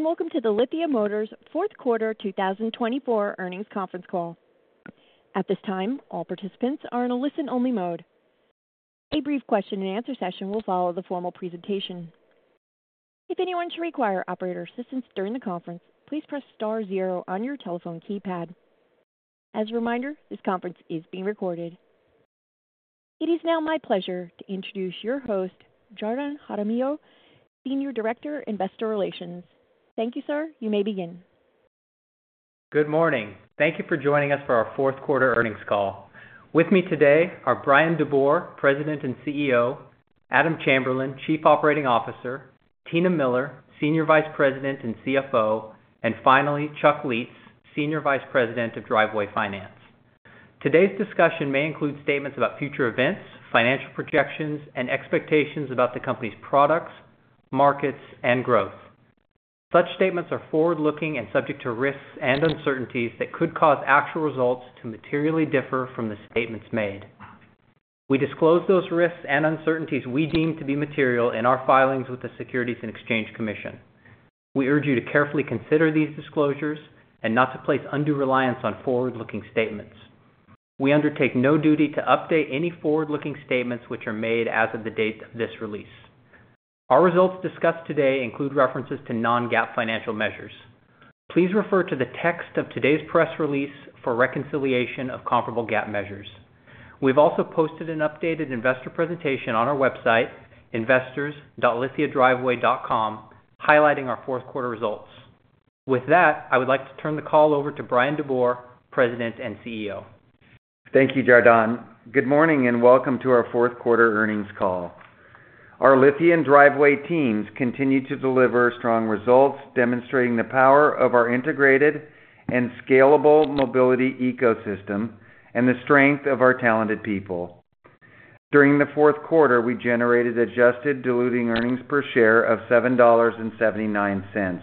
Welcome to the Lithia Motors Fourth Quarter 2024 Earnings Conference Call. At this time, all participants are in a listen-only mode. A brief question-and-answer session will follow the formal presentation. If anyone should require operator assistance during the conference, please press star zero on your telephone keypad. As a reminder, this conference is being recorded. It is now my pleasure to introduce your host, Jardon Jaramillo, Senior Director, Investor Relations. Thank you, sir. You may begin. Good morning. Thank you for joining us for our Fourth Quarter Earnings Call. With me today are Bryan DeBoer, President and CEO, Adam Chamberlain, Chief Operating Officer, Tina Miller, Senior Vice President and CFO, and finally, Chuck Lietz, Senior Vice President of Driveway Finance. Today's discussion may include statements about future events, financial projections, and expectations about the company's products, markets, and growth. Such statements are forward-looking and subject to risks and uncertainties that could cause actual results to materially differ from the statements made. We disclose those risks and uncertainties we deem to be material in our filings with the Securities and Exchange Commission. We urge you to carefully consider these disclosures and not to place undue reliance on forward-looking statements. We undertake no duty to update any forward-looking statements which are made as of the date of this release. Our results discussed today include references to non-GAAP financial measures. Please refer to the text of today's press release for reconciliation of comparable GAAP measures. We've also posted an updated investor presentation on our website, investors.lithiadriveway.com, highlighting our Fourth Quarter results. With that, I would like to turn the call over to Bryan DeBoer, President and CEO. Thank you, Jardon. Good morning and welcome to our Fourth Quarter Earnings Call. Our Lithia and Driveway teams continue to deliver strong results, demonstrating the power of our integrated and scalable mobility ecosystem and the strength of our talented people. During the fourth quarter, we generated adjusted diluted earnings per share of $7.79.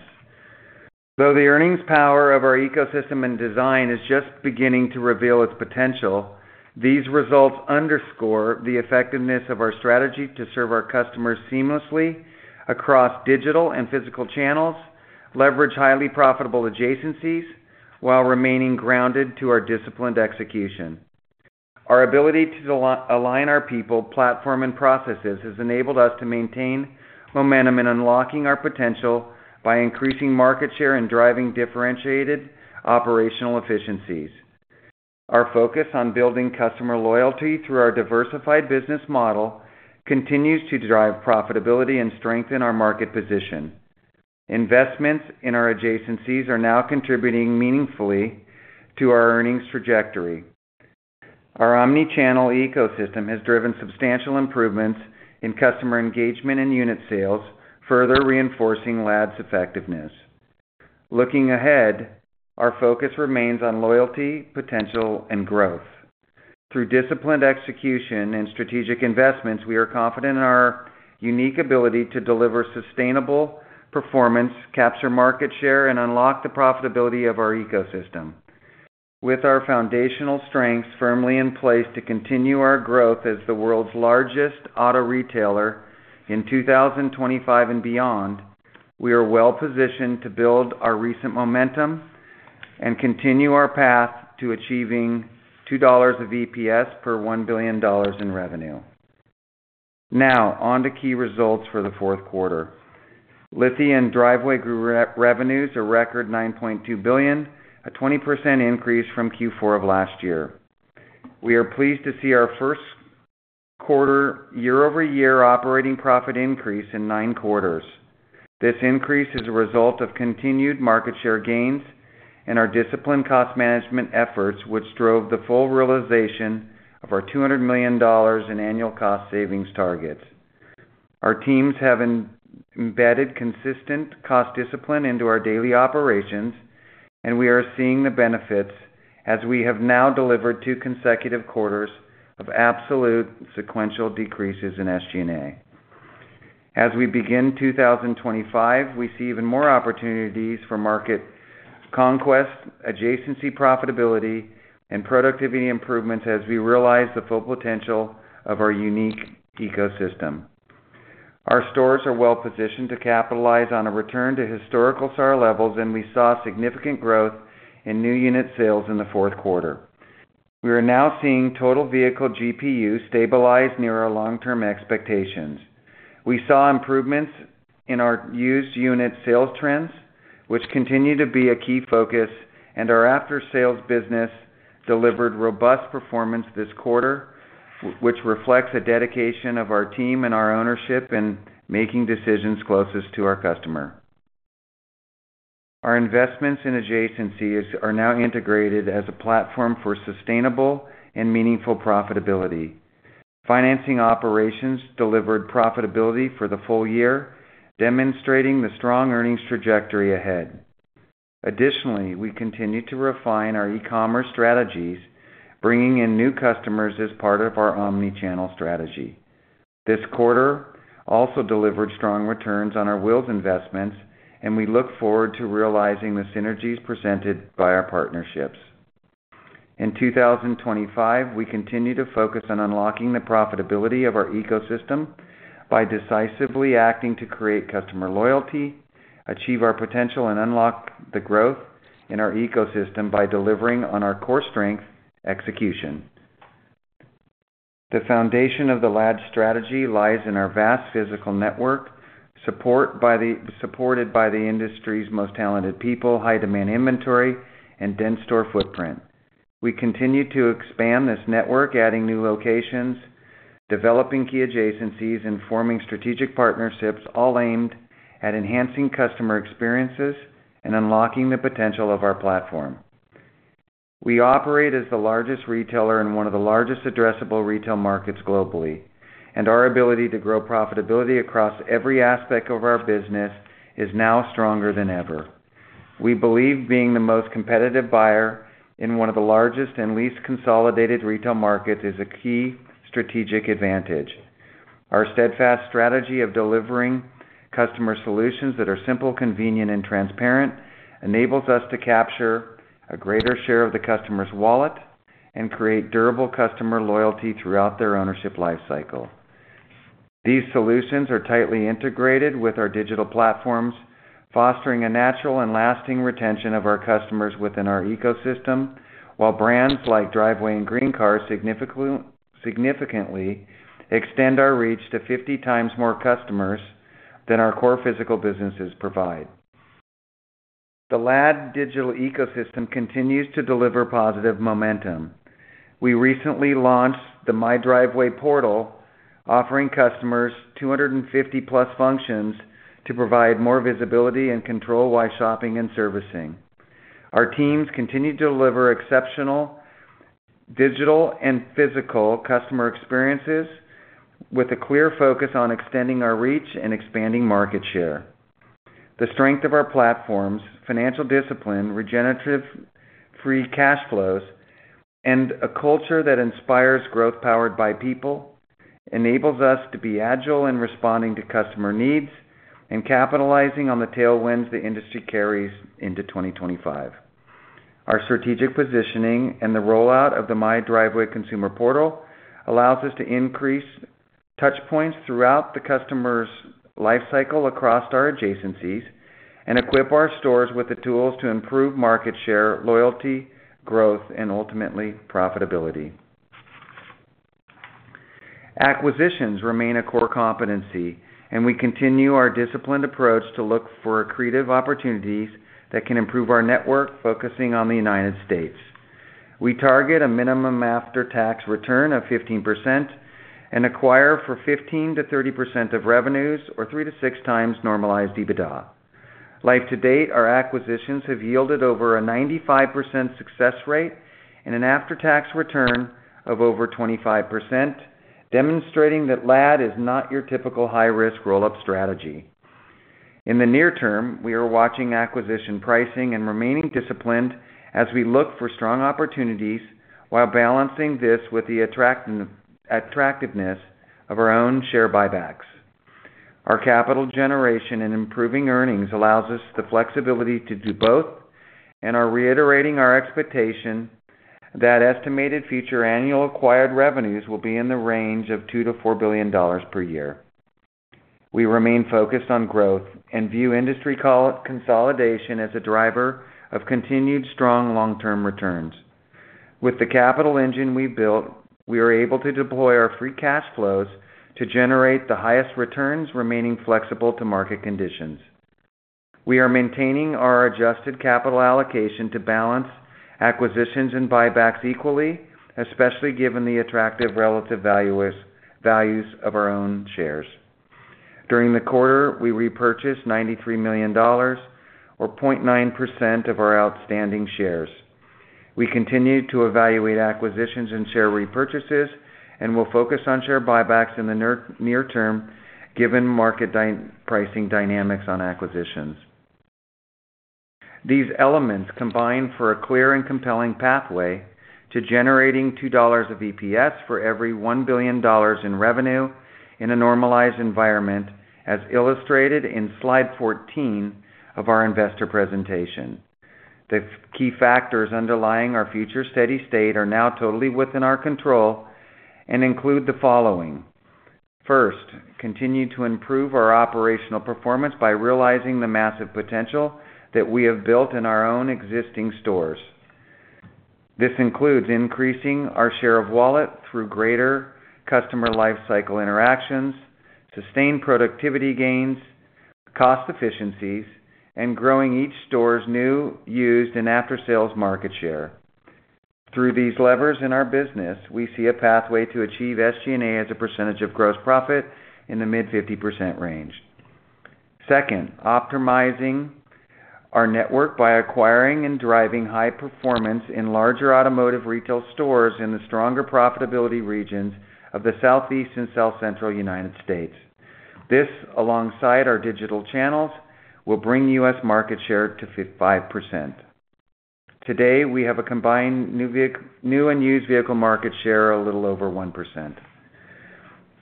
Though the earnings power of our ecosystem and design is just beginning to reveal its potential, these results underscore the effectiveness of our strategy to serve our customers seamlessly across digital and physical channels, leverage highly profitable adjacencies while remaining grounded to our disciplined execution. Our ability to align our people, platform, and processes has enabled us to maintain momentum in unlocking our potential by increasing market share and driving differentiated operational efficiencies. Our focus on building customer loyalty through our diversified business model continues to drive profitability and strengthen our market position. Investments in our adjacencies are now contributing meaningfully to our earnings trajectory. Our omnichannel ecosystem has driven substantial improvements in customer engagement and unit sales, further reinforcing LAD's effectiveness. Looking ahead, our focus remains on loyalty, potential, and growth. Through disciplined execution and strategic investments, we are confident in our unique ability to deliver sustainable performance, capture market share, and unlock the profitability of our ecosystem. With our foundational strengths firmly in place to continue our growth as the world's largest auto retailer in 2025 and beyond, we are well positioned to build our recent momentum and continue our path to achieving $2.00 of EPS per $1 billion in revenue. Now, on to key results for the fourth quarter. Lithia and Driveway grew revenues a record $9.2 billion, a 20% increase from Q4 of last year. We are pleased to see our first quarter year-over-year operating profit increase in nine quarters. This increase is a result of continued market share gains and our disciplined cost management efforts, which drove the full realization of our $200 million in annual cost savings targets. Our teams have embedded consistent cost discipline into our daily operations, and we are seeing the benefits as we have now delivered two consecutive quarters of absolute sequential decreases in SG&A. As we begin 2025, we see even more opportunities for market conquest, adjacency profitability, and productivity improvements as we realize the full potential of our unique ecosystem. Our stores are well positioned to capitalize on a return to historical SAR levels, and we saw significant growth in new unit sales in the fourth quarter. We are now seeing total vehicle GPU stabilize near our long-term expectations. We saw improvements in our used unit sales trends, which continue to be a key focus, and our after-sales business delivered robust performance this quarter, which reflects a dedication of our team and our ownership in making decisions closest to our customer. Our investments in adjacency are now integrated as a platform for sustainable and meaningful profitability. Financing operations delivered profitability for the full year, demonstrating the strong earnings trajectory ahead. Additionally, we continue to refine our e-commerce strategies, bringing in new customers as part of our omnichannel strategy. This quarter also delivered strong returns on our Wheels investments, and we look forward to realizing the synergies presented by our partnerships. In 2025, we continue to focus on unlocking the profitability of our ecosystem by decisively acting to create customer loyalty, achieve our potential, and unlock the growth in our ecosystem by delivering on our core strength execution. The foundation of the LAD strategy lies in our vast physical network, supported by the industry's most talented people, high-demand inventory, and dense store footprint. We continue to expand this network, adding new locations, developing key adjacencies, and forming strategic partnerships, all aimed at enhancing customer experiences and unlocking the potential of our platform. We operate as the largest retailer in one of the largest addressable retail markets globally, and our ability to grow profitability across every aspect of our business is now stronger than ever. We believe being the most competitive buyer in one of the largest and least consolidated retail markets is a key strategic advantage. Our steadfast strategy of delivering customer solutions that are simple, convenient, and transparent enables us to capture a greater share of the customer's wallet and create durable customer loyalty throughout their ownership lifecycle. These solutions are tightly integrated with our digital platforms, fostering a natural and lasting retention of our customers within our ecosystem, while brands like Driveway and GreenCars significantly extend our reach to 50 times more customers than our core physical businesses provide. The LAD digital ecosystem continues to deliver positive momentum. We recently launched the My Driveway portal, offering customers 250+ functions to provide more visibility and control while shopping and servicing. Our teams continue to deliver exceptional digital and physical customer experiences with a clear focus on extending our reach and expanding market share. The strength of our platforms, financial discipline, generating free cash flows, and a culture that inspires growth powered by people enables us to be agile in responding to customer needs and capitalizing on the tailwinds the industry carries into 2025. Our strategic positioning and the rollout of the My Driveway consumer portal allows us to increase touchpoints throughout the customer's lifecycle across our adjacencies and equip our stores with the tools to improve market share, loyalty, growth, and ultimately profitability. Acquisitions remain a core competency, and we continue our disciplined approach to look for creative opportunities that can improve our network, focusing on the United States. We target a minimum after-tax return of 15% and acquire for 15%-30% of revenues or 3-6 times normalized EBITDA. To date, our acquisitions have yielded over a 95% success rate and an after-tax return of over 25%, demonstrating that LAD is not your typical high-risk roll-up strategy. In the near term, we are watching acquisition pricing and remaining disciplined as we look for strong opportunities while balancing this with the attractiveness of our own share buybacks. Our capital generation and improving earnings allows us the flexibility to do both, and are reiterating our expectation that estimated future annual acquired revenues will be in the range of $2 billion-$4 billion per year. We remain focused on growth and view industry consolidation as a driver of continued strong long-term returns. With the capital engine we've built, we are able to deploy our free cash flows to generate the highest returns, remaining flexible to market conditions. We are maintaining our adjusted capital allocation to balance acquisitions and buybacks equally, especially given the attractive relative values of our own shares. During the quarter, we repurchased $93 million, or 0.9% of our outstanding shares. We continue to evaluate acquisitions and share repurchases and will focus on share buybacks in the near term given market pricing dynamics on acquisitions. These elements combine for a clear and compelling pathway to generating $2.00 of EPS for every $1 billion in revenue in a normalized environment, as illustrated in slide 14 of our investor presentation. The key factors underlying our future steady state are now totally within our control and include the following: first, continue to improve our operational performance by realizing the massive potential that we have built in our own existing stores. This includes increasing our share of wallet through greater customer lifecycle interactions, sustained productivity gains, cost efficiencies, and growing each store's new, used, and after-sales market share. Through these levers in our business, we see a pathway to achieve SG&A as a percentage of gross profit in the mid-50% range. Second, optimizing our network by acquiring and driving high performance in larger automotive retail stores in the stronger profitability regions of the Southeast and South Central United States. This, alongside our digital channels, will bring U.S. market share to 5%. Today, we have a combined new and used vehicle market share a little over 1%.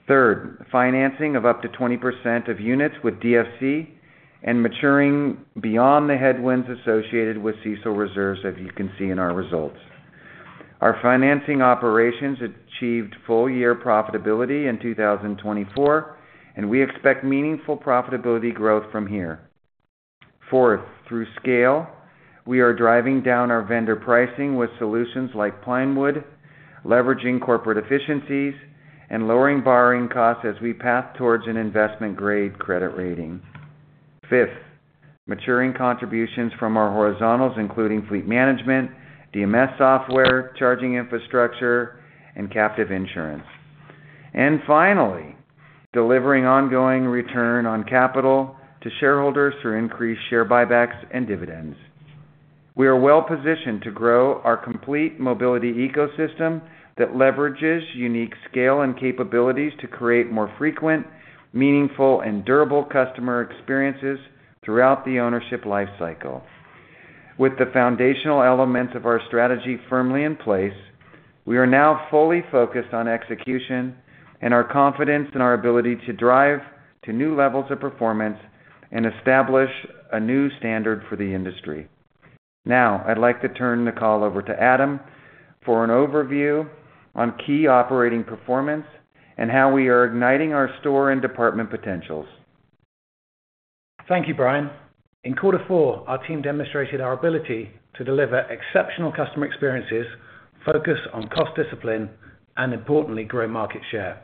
Third, financing of up to 20% of units with DFC and maturing beyond the headwinds associated with CECL reserves, as you can see in our results. Our financing operations achieved full-year profitability in 2024, and we expect meaningful profitability growth from here. Fourth, through scale, we are driving down our vendor pricing with solutions like Pinewood, leveraging corporate efficiencies and lowering borrowing costs as we path towards an investment-grade credit rating. Fifth, maturing contributions from our horizontals, including fleet management, DMS software, charging infrastructure, and captive insurance. And finally, delivering ongoing return on capital to shareholders through increased share buybacks and dividends. We are well positioned to grow our complete mobility ecosystem that leverages unique scale and capabilities to create more frequent, meaningful, and durable customer experiences throughout the ownership lifecycle. With the foundational elements of our strategy firmly in place, we are now fully focused on execution and our confidence in our ability to drive to new levels of performance and establish a new standard for the industry. Now, I'd like to turn the call over to Adam for an overview on key operating performance and how we are igniting our store and department potentials. Thank you, Bryan. In quarter four, our team demonstrated our ability to deliver exceptional customer experiences, focus on cost discipline, and, importantly, grow market share.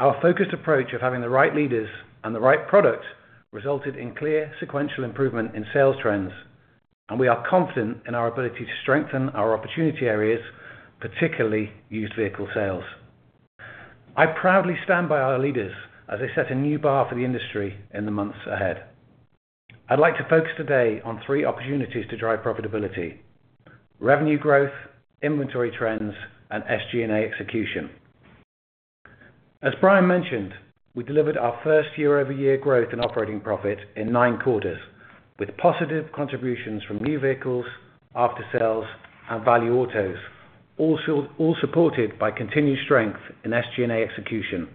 Our focused approach of having the right leaders and the right products resulted in clear sequential improvement in sales trends, and we are confident in our ability to strengthen our opportunity areas, particularly used vehicle sales. I proudly stand by our leaders as they set a new bar for the industry in the months ahead. I'd like to focus today on three opportunities to drive profitability: revenue growth, inventory trends, and SG&A execution. As Bryan mentioned, we delivered our first year-over-year growth in operating profit in nine quarters, with positive contributions from new vehicles, after-sales, and value autos, all supported by continued strength in SG&A execution.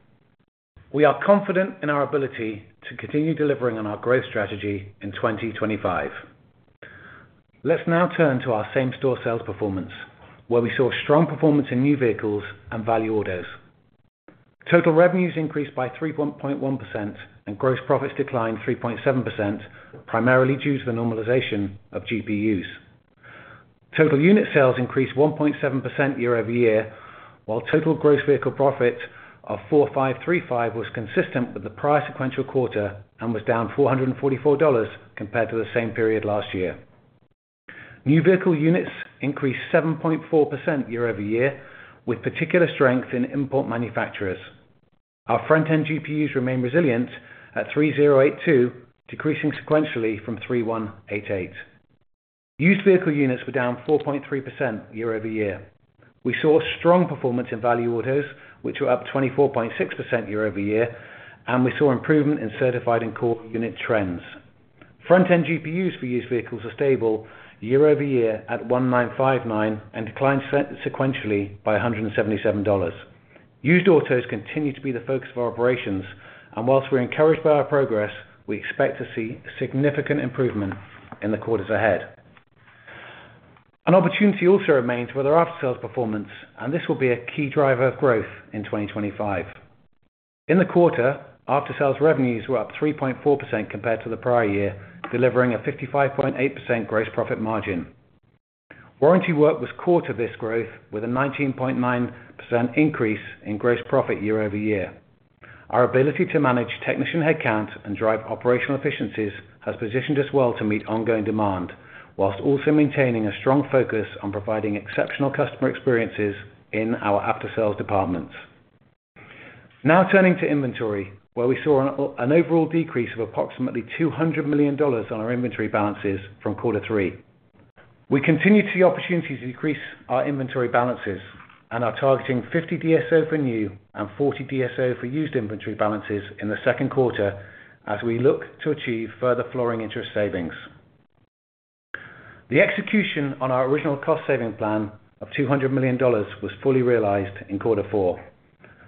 We are confident in our ability to continue delivering on our growth strategy in 2025. Let's now turn to our same store sales performance, where we saw strong performance in new vehicles and value autos. Total revenues increased by 3.1%, and gross profits declined 3.7%, primarily due to the normalization of GPUs. Total unit sales increased 1.7% year-over-year, while total gross vehicle profit of $4,535 was consistent with the prior sequential quarter and was down $444 compared to the same period last year. New vehicle units increased 7.4% year-over-year, with particular strength in import manufacturers. Our front-end GPUs remained resilient at $3,082, decreasing sequentially from $3,188. Used vehicle units were down 4.3% year-over-year. We saw strong performance in value autos, which were up 24.6% year-over-year, and we saw improvement in certified and core unit trends. Front-end GPUs for used vehicles were stable year-over-year at $1,959 and declined sequentially by $177. Used autos continue to be the focus of our operations, and whilst we're encouraged by our progress, we expect to see significant improvement in the quarters ahead. An opportunity also remains for the after-sales performance, and this will be a key driver of growth in 2025. In the quarter, after-sales revenues were up 3.4% compared to the prior year, delivering a 55.8% gross profit margin. Warranty work was core to this growth, with a 19.9% increase in gross profit year-over-year. Our ability to manage technician headcount and drive operational efficiencies has positioned us well to meet ongoing demand, whilst also maintaining a strong focus on providing exceptional customer experiences in our after-sales departments. Now turning to inventory, where we saw an overall decrease of approximately $200 million on our inventory balances from quarter three. We continue to see opportunities to decrease our inventory balances and are targeting 50 DSO for new and 40 DSO for used inventory balances in the second quarter as we look to achieve further floor plan interest savings. The execution on our original cost-saving plan of $200 million was fully realized in quarter four.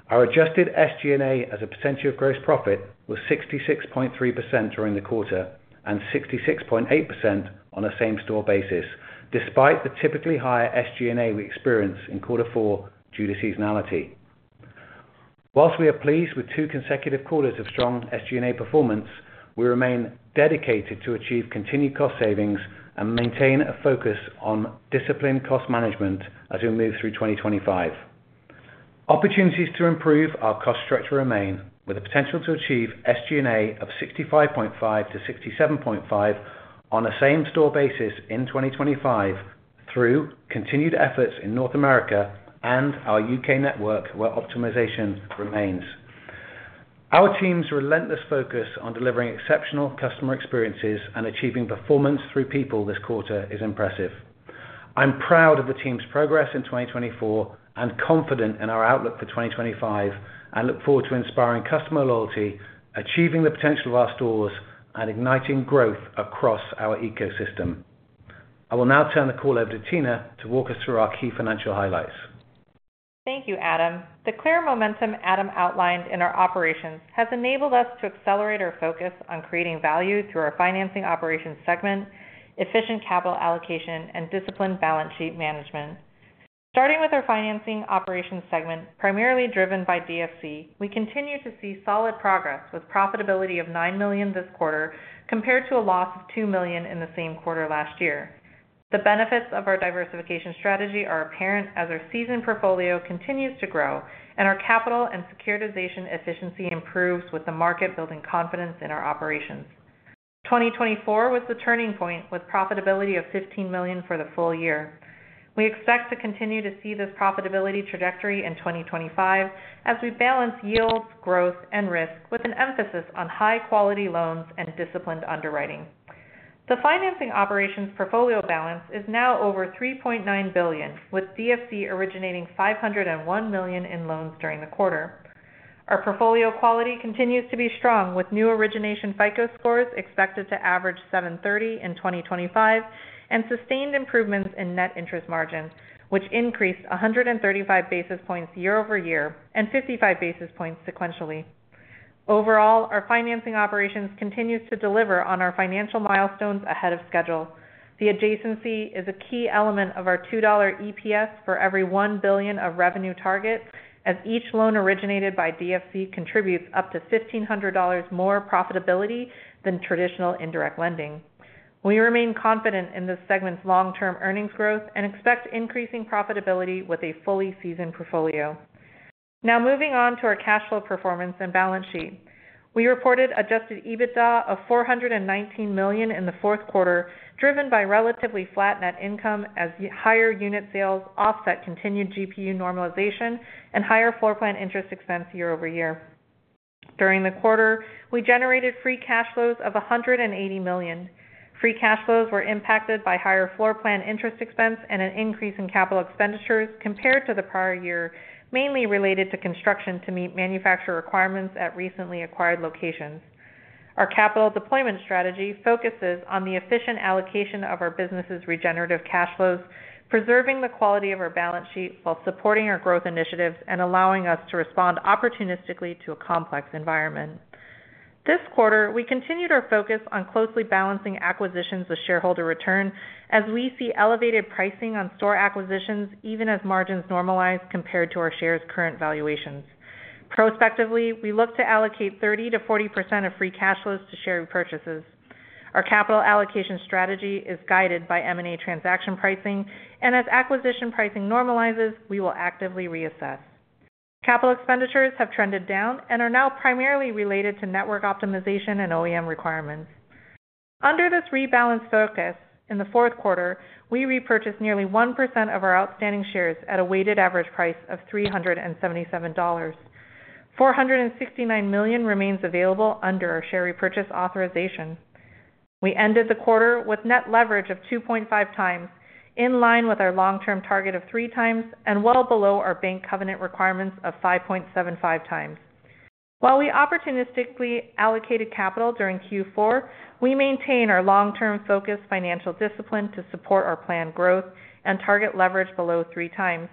Our adjusted SG&A as a percentage of gross profit was 66.3% during the quarter and 66.8% on a same-store basis, despite the typically higher SG&A we experience in quarter four due to seasonality. Whilst we are pleased with two consecutive quarters of strong SG&A performance, we remain dedicated to achieve continued cost savings and maintain a focus on disciplined cost management as we move through 2025. Opportunities to improve our cost structure remain, with the potential to achieve SG&A of 65.5%-67.5% on a same-store basis in 2025 through continued efforts in North America and our U.K. network where optimization remains. Our team's relentless focus on delivering exceptional customer experiences and achieving performance through people this quarter is impressive. I'm proud of the team's progress in 2024 and confident in our outlook for 2025, and look forward to inspiring customer loyalty, achieving the potential of our stores, and igniting growth across our ecosystem. I will now turn the call over to Tina to walk us through our key financial highlights. Thank you, Adam. The clear momentum Adam outlined in our operations has enabled us to accelerate our focus on creating value through our financing operations segment, efficient capital allocation, and disciplined balance sheet management. Starting with our financing operations segment, primarily driven by DFC, we continue to see solid progress with profitability of $9 million this quarter compared to a loss of $2 million in the same quarter last year. The benefits of our diversification strategy are apparent as our seasoned portfolio continues to grow and our capital and securitization efficiency improves with the market building confidence in our operations. 2024 was the turning point with profitability of $15 million for the full year. We expect to continue to see this profitability trajectory in 2025 as we balance yields, growth, and risk with an emphasis on high-quality loans and disciplined underwriting. The financing operations portfolio balance is now over $3.9 billion, with DFC originating $501 million in loans during the quarter. Our portfolio quality continues to be strong with new origination FICO scores expected to average 730 in 2025 and sustained improvements in net interest margins, which increased 135 basis points year-over-year and 55 basis points sequentially. Overall, our financing operations continue to deliver on our financial milestones ahead of schedule. The adjacency is a key element of our $2 EPS for every $1 billion of revenue target, as each loan originated by DFC contributes up to $1,500 more profitability than traditional indirect lending. We remain confident in this segment's long-term earnings growth and expect increasing profitability with a fully seasoned portfolio. Now moving on to our cash flow performance and balance sheet. We reported adjusted EBITDA of $419 million in the fourth quarter, driven by relatively flat net income as higher unit sales offset continued GPU normalization and higher floor plan interest expense year-over-year. During the quarter, we generated free cash flows of $180 million. Free cash flows were impacted by higher floor plan interest expense and an increase in capital expenditures compared to the prior year, mainly related to construction to meet manufacturer requirements at recently acquired locations. Our capital deployment strategy focuses on the efficient allocation of our business's regenerative cash flows, preserving the quality of our balance sheet while supporting our growth initiatives and allowing us to respond opportunistically to a complex environment. This quarter, we continued our focus on closely balancing acquisitions with shareholder return as we see elevated pricing on store acquisitions even as margins normalize compared to our shares' current valuations. Prospectively, we look to allocate 30%-40% of free cash flows to share repurchases. Our capital allocation strategy is guided by M&A transaction pricing, and as acquisition pricing normalizes, we will actively reassess. Capital expenditures have trended down and are now primarily related to network optimization and OEM requirements. Under this rebalance focus in the fourth quarter, we repurchased nearly 1% of our outstanding shares at a weighted average price of $377. $469 million remains available under our share repurchase authorization. We ended the quarter with net leverage of 2.5 times, in line with our long-term target of 3 times and well below our bank covenant requirements of 5.75 times. While we opportunistically allocated capital during Q4, we maintain our long-term focused financial discipline to support our planned growth and target leverage below 3 times.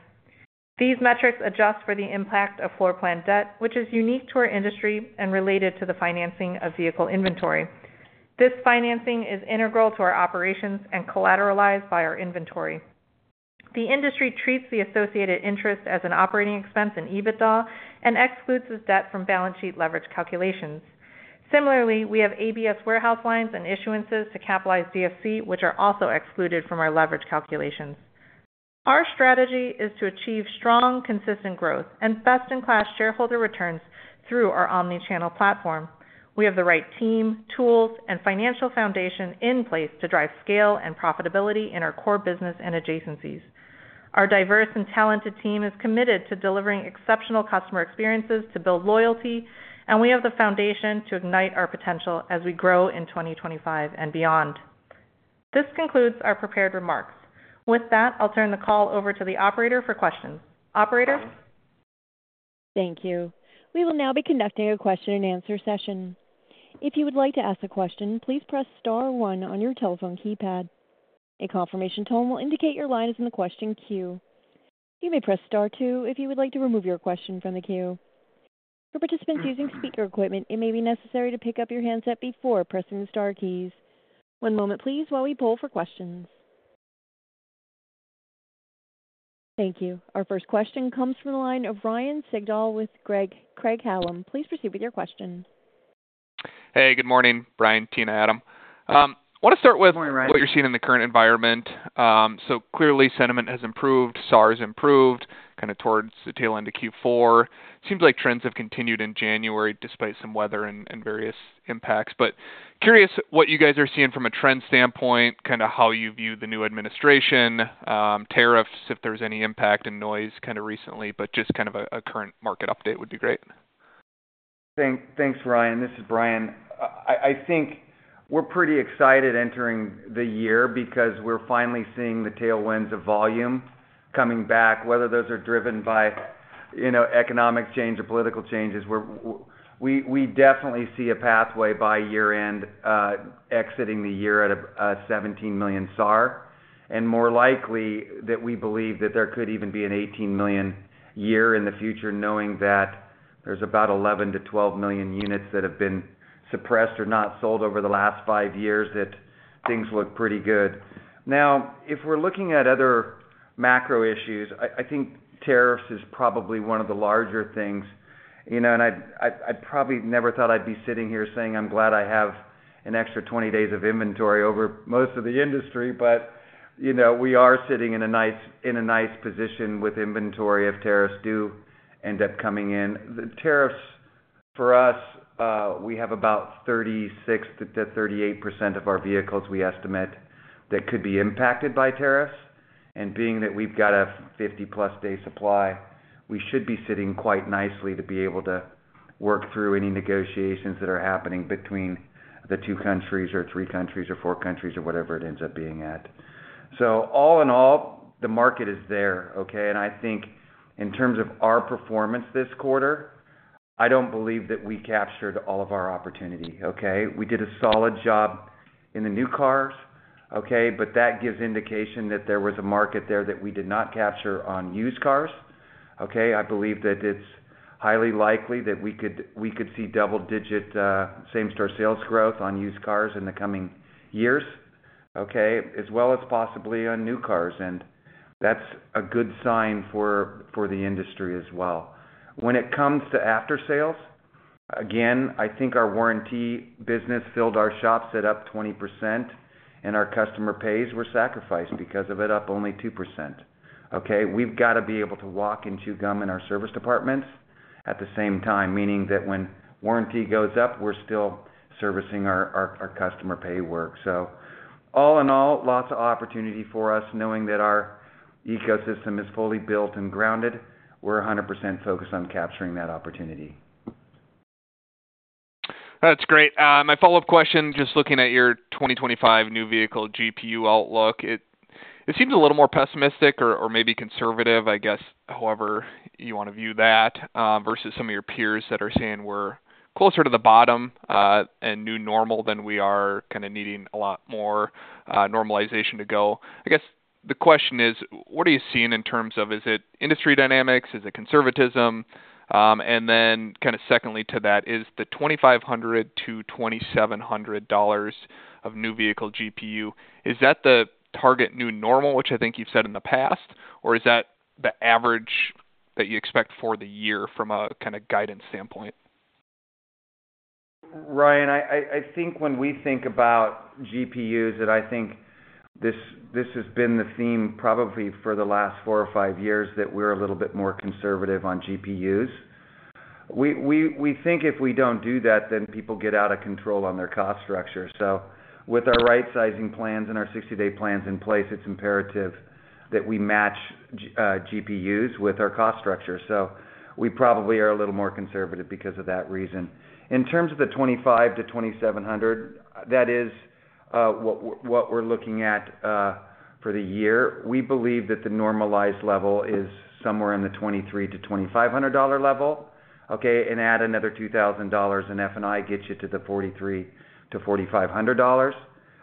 These metrics adjust for the impact of floor plan debt, which is unique to our industry and related to the financing of vehicle inventory. This financing is integral to our operations and collateralized by our inventory. The industry treats the associated interest as an operating expense in EBITDA and excludes this debt from balance sheet leverage calculations. Similarly, we have ABS warehouse lines and issuances to capitalize DFC, which are also excluded from our leverage calculations. Our strategy is to achieve strong, consistent growth and best-in-class shareholder returns through our omnichannel platform. We have the right team, tools, and financial foundation in place to drive scale and profitability in our core business and adjacencies. Our diverse and talented team is committed to delivering exceptional customer experiences to build loyalty, and we have the foundation to ignite our potential as we grow in 2025 and beyond. This concludes our prepared remarks. With that, I'll turn the call over to the operator for questions. Operator? Thank you. We will now be conducting a question-and-answer session. If you would like to ask a question, please press star one on your telephone keypad. A confirmation tone will indicate your line is in the question queue. You may press star two if you would like to remove your question from the queue. For participants using speaker equipment, it may be necessary to pick up your handset before pressing the star keys. One moment, please, while we poll for questions. Thank you. Our first question comes from the line of Ryan Sigdahl with Craig-Hallum. Please proceed with your question. Hey, good morning. Bryan, Tina, Adam. Want to start with what you're seeing in the current environment. So clearly, sentiment has improved. SAR has improved, kind of towards the tail end of Q4. Seems like trends have continued in January despite some weather and various impacts. But curious what you guys are seeing from a trend standpoint, kind of how you view the new administration, tariffs, if there's any impact and noise kind of recently, but just kind of a current market update would be great. Thanks, Ryan. This is Bryan. I think we're pretty excited entering the year because we're finally seeing the tailwinds of volume coming back, whether those are driven by, you know, economic change or political changes. We definitely see a pathway by year-end, exiting the year at a 17 million SAR, and more likely that we believe that there could even be an 18 million in the future, knowing that there's about 11 million-12 million units that have been suppressed or not sold over the last five years that things look pretty good. Now, if we're looking at other macro issues, I think tariffs is probably one of the larger things. You know, and I'd probably never thought I'd be sitting here saying, "I'm glad I have an extra 20 days of inventory over most of the industry," but, you know, we are sitting in a nice position with inventory if tariffs do end up coming in. The tariffs for us, we have about 36%-38% of our vehicles we estimate that could be impacted by tariffs. Being that we've got a 50+ day supply, we should be sitting quite nicely to be able to work through any negotiations that are happening between the two countries or three countries or four countries or whatever it ends up being at. All in all, the market is there, okay? I think in terms of our performance this quarter, I don't believe that we captured all of our opportunity, okay? We did a solid job in the new cars, okay? That gives indication that there was a market there that we did not capture on used cars, okay? I believe that it's highly likely that we could see double-digit, same-store sales growth on used cars in the coming years, okay? As well as possibly on new cars, and that's a good sign for the industry as well. When it comes to after-sales, again, I think our warranty business filled our shops at up 20%, and our customer pays were sacrificed because of it, up only 2%, okay? We've got to be able to walk and chew gum in our service departments at the same time, meaning that when warranty goes up, we're still servicing our customer pay work. So all in all, lots of opportunity for us, knowing that our ecosystem is fully built and grounded. We're 100% focused on capturing that opportunity. That's great. My follow-up question, just looking at your 2025 new vehicle GPU outlook, it seems a little more pessimistic or maybe conservative, I guess, however you want to view that, versus some of your peers that are saying we're closer to the bottom, and new normal than we are, kind of needing a lot more, normalization to go. I guess the question is, what are you seeing in terms of, is it industry dynamics? Is it conservatism? And then kind of secondly to that, is the $2,500-$2,700 of new vehicle GPU, is that the target new normal, which I think you've said in the past, or is that the average that you expect for the year from a kind of guidance standpoint? Ryan, I think when we think about GPUs, and I think this has been the theme probably for the last four or five years that we're a little bit more conservative on GPUs. We think if we don't do that, then people get out of control on their cost structure. So with our right-sizing plans and our 60-day plans in place, it's imperative that we match GPUs with our cost structure. So we probably are a little more conservative because of that reason. In terms of the $2,500-$2,700, that is what we're looking at for the year. We believe that the normalized level is somewhere in the $2,300-$2,500 level, okay? And add another $2,000, and F&I gets you to the $4,300-$4,500,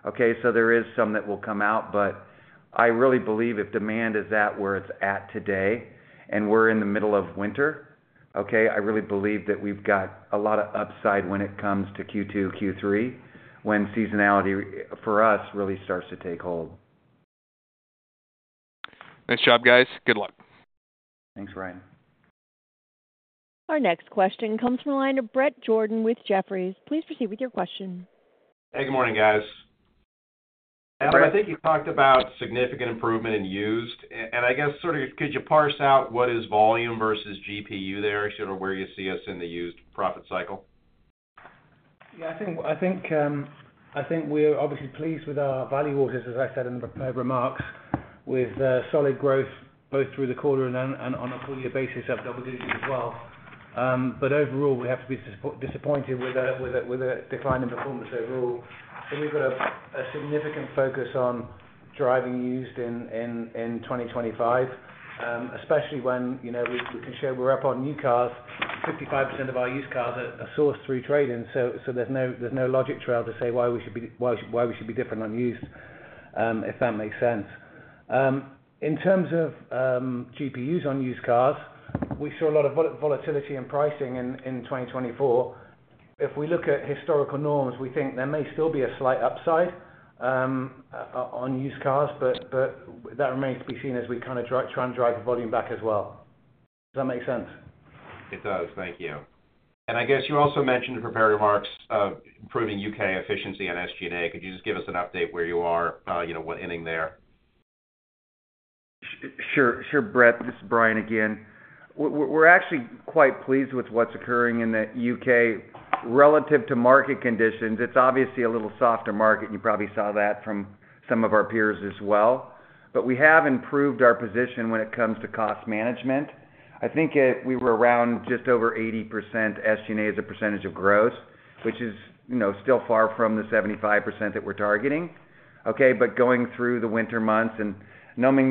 okay? So there is some that will come out, but I really believe if demand is at where it's at today and we're in the middle of winter, okay. I really believe that we've got a lot of upside when it comes to Q2, Q3, when seasonality for us really starts to take hold. Nice job, guys. Good luck. Thanks, Ryan. Our next question comes from the line of Bret Jordan with Jefferies. Please proceed with your question. Hey, good morning, guys. Adam, I think you talked about significant improvement in used, and I guess sort of could you parse out what is volume versus GPU there, sort of where you see us in the used profit cycle? Yeah, I think, I think we're obviously pleased with our value autos, as I said in the prepared remarks, with solid growth both throughout the quarter and on a full-year basis of double-digit as well, but overall, we have to be disappointed with the decline in performance overall, so we've got a significant focus on driving used in 2025, especially when, you know, we can show we're up on new cars. 55% of our used cars are sourced through trading, so there's no logical rationale to say why we should be different on used, if that makes sense. In terms of GPUs on used cars, we saw a lot of volatility in pricing in 2024. If we look at historical norms, we think there may still be a slight upside on used cars, but that remains to be seen as we kind of try and drive the volume back as well. Does that make sense? It does. Thank you. And I guess you also mentioned in prepared remarks of improving U.K. efficiency on SG&A. Could you just give us an update where you are, you know, what ending there? Sure, sure, Bret. This is Bryan again. We're actually quite pleased with what's occurring in the U.K. relative to market conditions. It's obviously a little softer market, and you probably saw that from some of our peers as well. But we have improved our position when it comes to cost management. I think we were around just over 80% SG&A as a percentage of growth, which is, you know, still far from the 75% that we're targeting, okay? But going through the winter months and knowing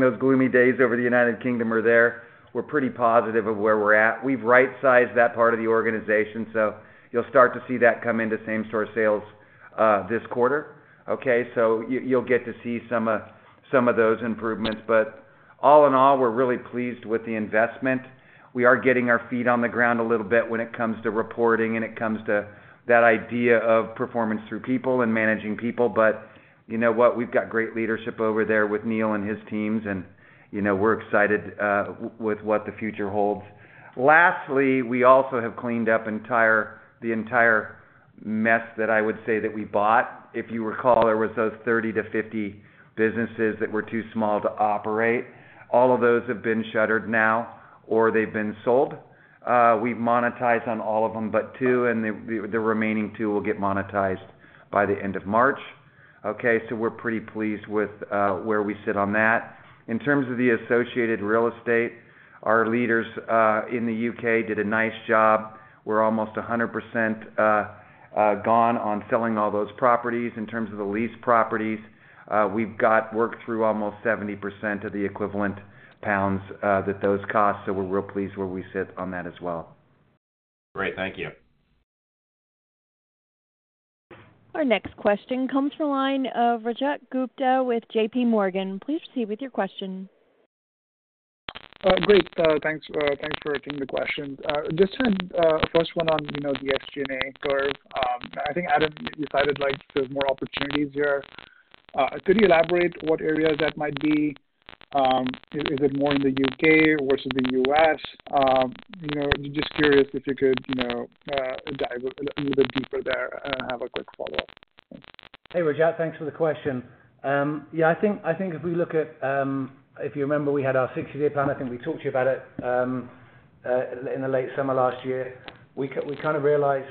those gloomy days over the United Kingdom are there, we're pretty positive of where we're at. We've right-sized that part of the organization, so you'll start to see that come into same-store sales, this quarter, okay? So you'll get to see some of those improvements. But all in all, we're really pleased with the investment. We are getting our feet on the ground a little bit when it comes to reporting and it comes to that idea of performance through people and managing people. But you know what? We've got great leadership over there with Neil and his teams, and you know, we're excited with what the future holds. Lastly, we also have cleaned up the entire mess that I would say that we bought. If you recall, there were those 30-50 businesses that were too small to operate. All of those have been shuttered now or they've been sold. We've monetized on all of them, but two, and the remaining two will get monetized by the end of March, okay? So we're pretty pleased with where we sit on that. In terms of the associated real estate, our leaders in the U.K. did a nice job. We're almost 100% gone on selling all those properties. In terms of the lease properties, we've worked through almost 70% of the equivalent pounds that those cost, so we're really pleased where we sit on that as well. Great. Thank you. Our next question comes from the line of Rajat Gupta with JPMorgan. Please proceed with your question. Great. Thanks, thanks for taking the question. Just to, first one on, you know, the SG&A curve, I think Adam decided like there's more opportunities here. Could you elaborate what areas that might be? Is it more in the U.K. versus the U.S.? You know, just curious if you could, you know, dive a little bit deeper there and have a quick follow-up. Hey, Rajat, thanks for the question. Yeah, I think, I think if we look at, if you remember, we had our 60-day plan. I think we talked to you about it, in the late summer last year. We kind of realized,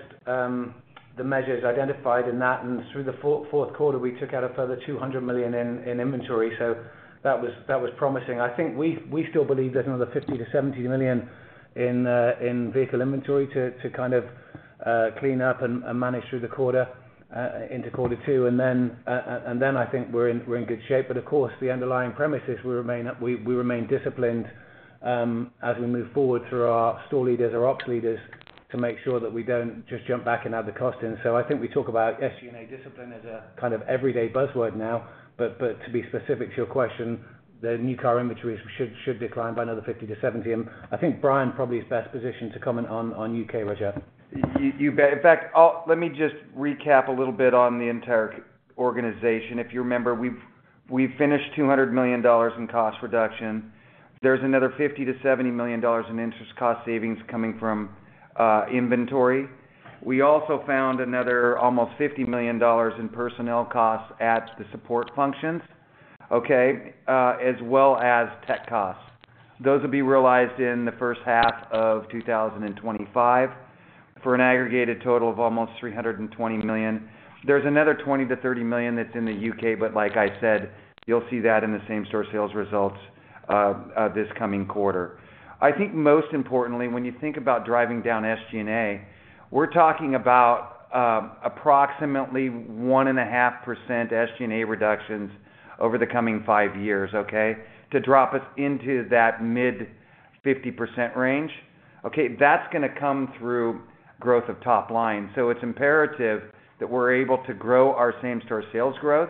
the measures identified in that, and through the fourth quarter, we took out a further $200 million in inventory. So that was, that was promising. I think we still believe there's another $50 million-$70 million in vehicle inventory to kind of clean up and manage through the quarter, into quarter two, and then I think we're in good shape. But of course, the underlying premise is we remain disciplined as we move forward through our store leaders or ops leaders to make sure that we don't just jump back and add the cost in, so I think we talk about SG&A discipline as a kind of everyday buzzword now, but to be specific to your question, the new car inventories should decline by another $50 million-$70 million. I think Bryan probably is best positioned to comment on U.K., Rajat. You bet. In fact, let me just recap a little bit on the entire organization. If you remember, we've finished $200 million in cost reduction. There's another $50 million-$70 million in interest cost savings coming from inventory. We also found another almost $50 million in personnel costs at the support functions, okay, as well as tech costs. Those will be realized in the first half of 2025 for an aggregate total of almost $320 million. There's another $20 million-$30 million that's in the UK, but like I said, you'll see that in the same-store sales results, this coming quarter. I think most importantly, when you think about driving down SG&A, we're talking about approximately 1.5% SG&A reductions over the coming five years, okay, to drop us into that mid-50% range, okay. That's going to come through growth of top line. So it's imperative that we're able to grow our same-store sales growth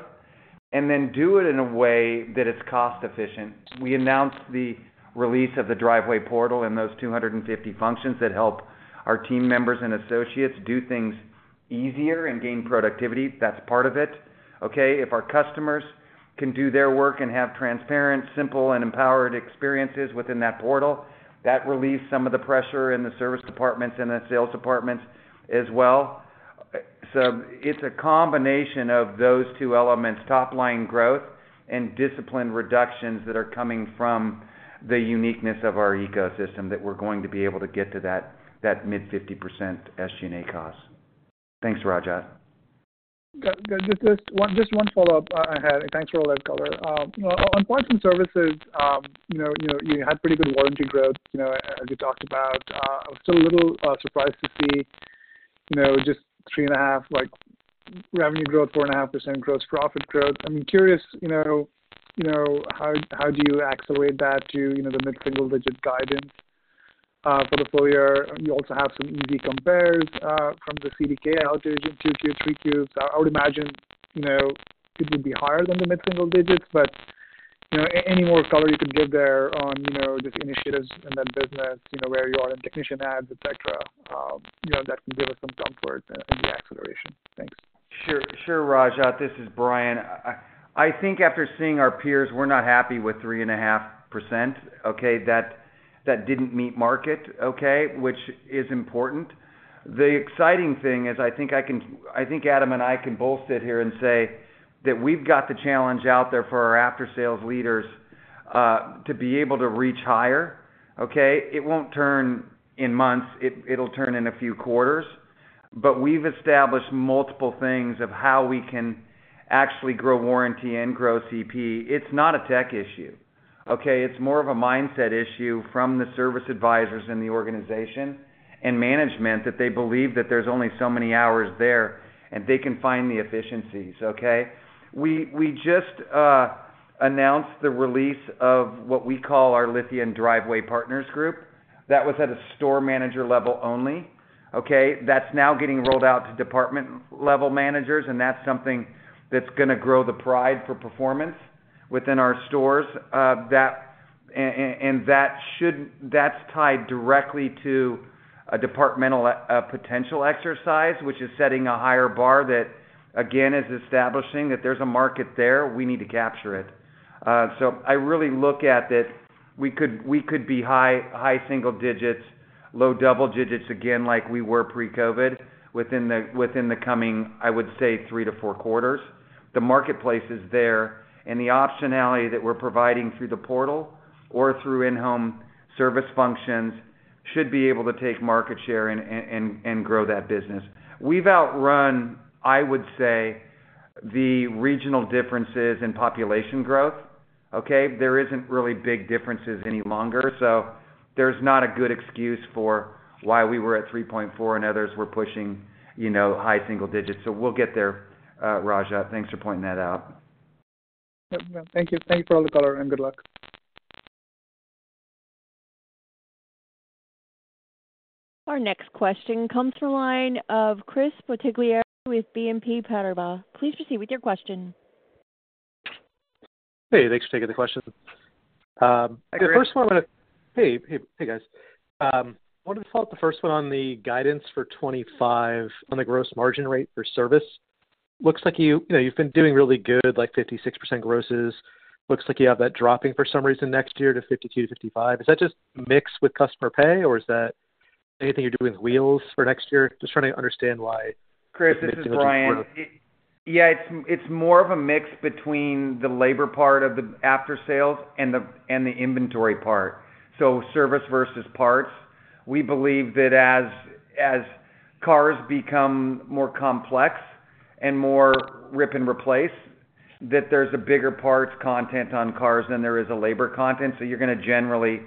and then do it in a way that it's cost-efficient. We announced the release of the Driveway portal and those 250 functions that help our team members and associates do things easier and gain productivity. That's part of it, okay? If our customers can do their work and have transparent, simple, and empowered experiences within that portal, that relieves some of the pressure in the service departments and the sales departments as well. So it's a combination of those two elements: top-line growth and discipline reductions that are coming from the uniqueness of our ecosystem that we're going to be able to get to that, that mid-50% SG&A cost. Thanks, Rajat. Just one, just one follow-up I had. Thanks for all that, Color. You know, on parts and services, you know, you had pretty good warranty growth, you know, as you talked about. I was still a little surprised to see, you know, just three and a half like revenue growth, 4.5% gross profit growth. I'm curious, you know, how do you accelerate that to, you know, the mid-single-digit guidance for the full year? You also have some easy compares from the CDK outage to Q2, Q3, Qs. I would imagine, you know, it would be higher than the mid-single digits, but, you know, any more color you could give there on, you know, just initiatives in that business, you know, where you are in technician adds, et cetera, you know, that can give us some comfort in the acceleration. Thanks. Sure, sure, Rajat. This is Bryan. I think after seeing our peers, we're not happy with 3.5%, okay? That didn't meet market, okay, which is important. The exciting thing is I think I can, I think Adam and I can both sit here and say that we've got the challenge out there for our after-sales leaders, to be able to reach higher, okay? It won't turn in months. It'll turn in a few quarters. But we've established multiple things of how we can actually grow warranty and grow CP. It's not a tech issue, okay? It's more of a mindset issue from the service advisors in the organization and management that they believe that there's only so many hours there and they can find the efficiencies, okay? We just announced the release of what we call our Lithia and Driveway Partners Group. That was at a store manager level only, okay? That's now getting rolled out to department-level managers, and that's something that's going to grow the pride for performance within our stores, that, and that should, that's tied directly to a departmental, potential exercise, which is setting a higher bar that, again, is establishing that there's a market there. We need to capture it. So I really look at that we could be high single digits, low double digits again, like we were pre-COVID within the coming, I would say, three to four quarters. The marketplace is there, and the optionality that we're providing through the portal or through in-home service functions should be able to take market share and grow that business. We've outrun, I would say, the regional differences in population growth, okay. There isn't really big differences any longer, so there's not a good excuse for why we were at 3.4 and others were pushing, you know, high single digits. So we'll get there, Rajat. Thanks for pointing that out. Thank you. Thank you for all the color, and good luck. Our next question comes from the line of Chris Bottiglieri with BNP Paribas. Please proceed with your question. Hey, thanks for taking the question. The first one I'm going to—hey, hey, hey guys. I wanted to follow up the first one on the guidance for 2025 on the gross margin rate for service. Looks like you, you know, you've been doing really good, like 56% grosses. Looks like you have that dropping for some reason next year to 52%-55%. Is that just mixed with customer pay, or is that anything you're doing with Wheels for next year? Just trying to understand why. Chris, this is Bryan. Yeah, it's more of a mix between the labor part of the after-sales and the inventory part. So service versus parts. We believe that as cars become more complex and more rip and replace, that there's a bigger parts content on cars than there is a labor content. So you're going to generally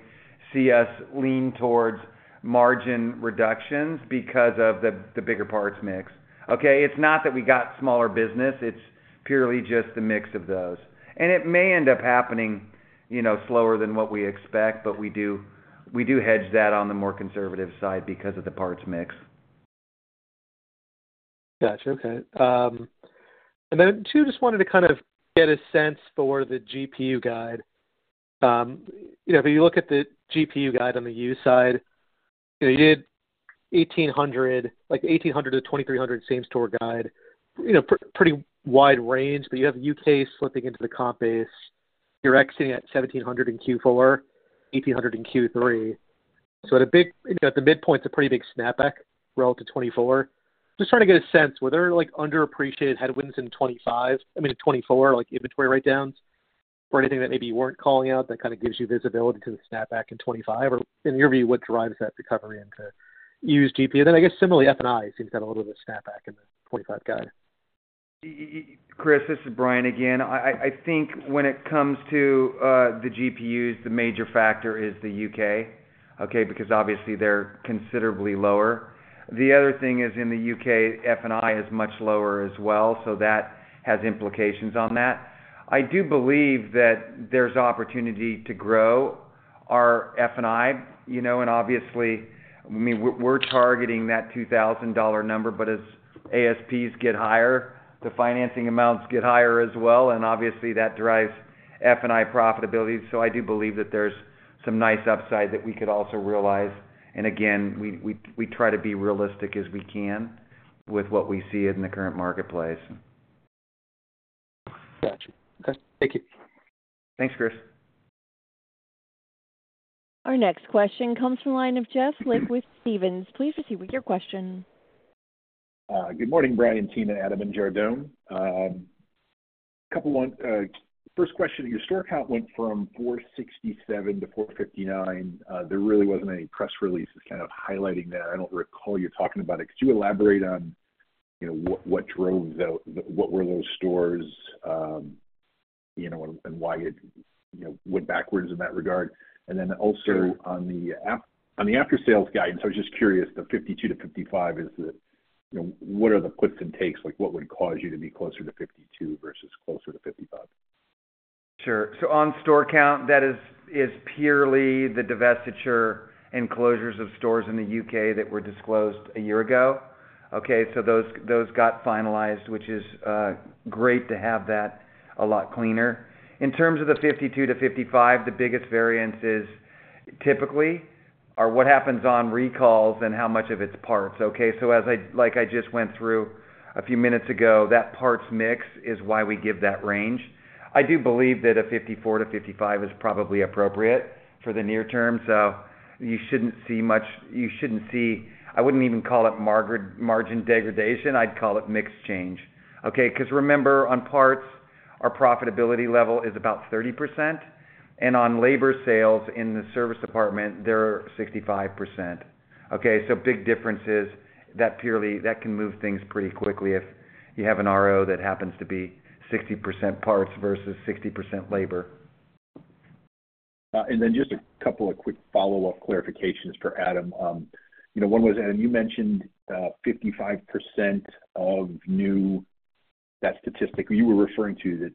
see us lean towards margin reductions because of the bigger parts mix. Okay? It's not that we got smaller business. It's purely just the mix of those. And it may end up happening, you know, slower than what we expect, but we do hedge that on the more conservative side because of the parts mix. Gotcha. Okay. And then, too, just wanted to kind of get a sense for the GPU guide. You know, if you look at the GPU guide on the U side, you know, you did $1,800, like $1,800-$2,300 same-store guide, you know, pretty wide range, but you have U.K. slipping into the comp base. You're exiting at $1,700 in Q4, $1,800 in Q3. So that's a big, you know, at the midpoint, it's a pretty big snapback relative to 2024. Just trying to get a sense, were there like underappreciated headwinds in 2025? I mean, in 2024, like inventory write-downs or anything that maybe you weren't calling out that kind of gives you visibility to the snapback in 2025? Or in your view, what drives that recovery into used GPU? And then I guess similarly, F&I seems to have a little bit of a snapback in the 2025 guide. Chris, this is Bryan again. I think when it comes to the GPUs, the major factor is the U.K., okay, because obviously they're considerably lower. The other thing is in the U.K., F&I is much lower as well, so that has implications on that. I do believe that there's opportunity to grow our F&I, you know, and obviously, I mean, we're targeting that $2,000 number, but as ASPs get higher, the financing amounts get higher as well, and obviously that drives F&I profitability. So I do believe that there's some nice upside that we could also realize. And again, we try to be realistic as we can with what we see in the current marketplace. Gotcha. Okay. Thank you. Thanks, Chris. Our next question comes from the line of Jeff Lick with Stephens. Please proceed with your question. Good morning, Bryan, Tina, Adam, and Jardon. Couple one, first question. Your store count went from 467 to 459. There really wasn't any press releases kind of highlighting that. I don't recall you talking about it. Could you elaborate on, you know, what, what drove the, what were those stores, you know, and, and why it, you know, went backwards in that regard? And then also on the EPS, on the after-sales guidance, I was just curious, the 52% to 55% is the, you know, what are the puts and takes? Like what would cause you to be closer to 52% versus closer to 55%? Sure. So on store count, that is, is purely the divestiture and closures of stores in the U.K. that were disclosed a year ago. Okay? So those, those got finalized, which is, great to have that a lot cleaner. In terms of the 52%-55%, the biggest variance is typically what happens on recalls and how much of it's parts. Okay? So as I, like I just went through a few minutes ago, that parts mix is why we give that range. I do believe that a 54%-55% is probably appropriate for the near term. So you shouldn't see much, you shouldn't see, I wouldn't even call it margin degradation. I'd call it mixed change. Okay? Because remember, on parts, our profitability level is about 30%, and on labor sales in the service department, they're 65%. Okay? So big differences, that purely, that can move things pretty quickly if you have an RO that happens to be 60% parts versus 60% labor. And then just a couple of quick follow-up clarifications for Adam. You know, one was Adam. You mentioned 55% of new, that statistic you were referring to that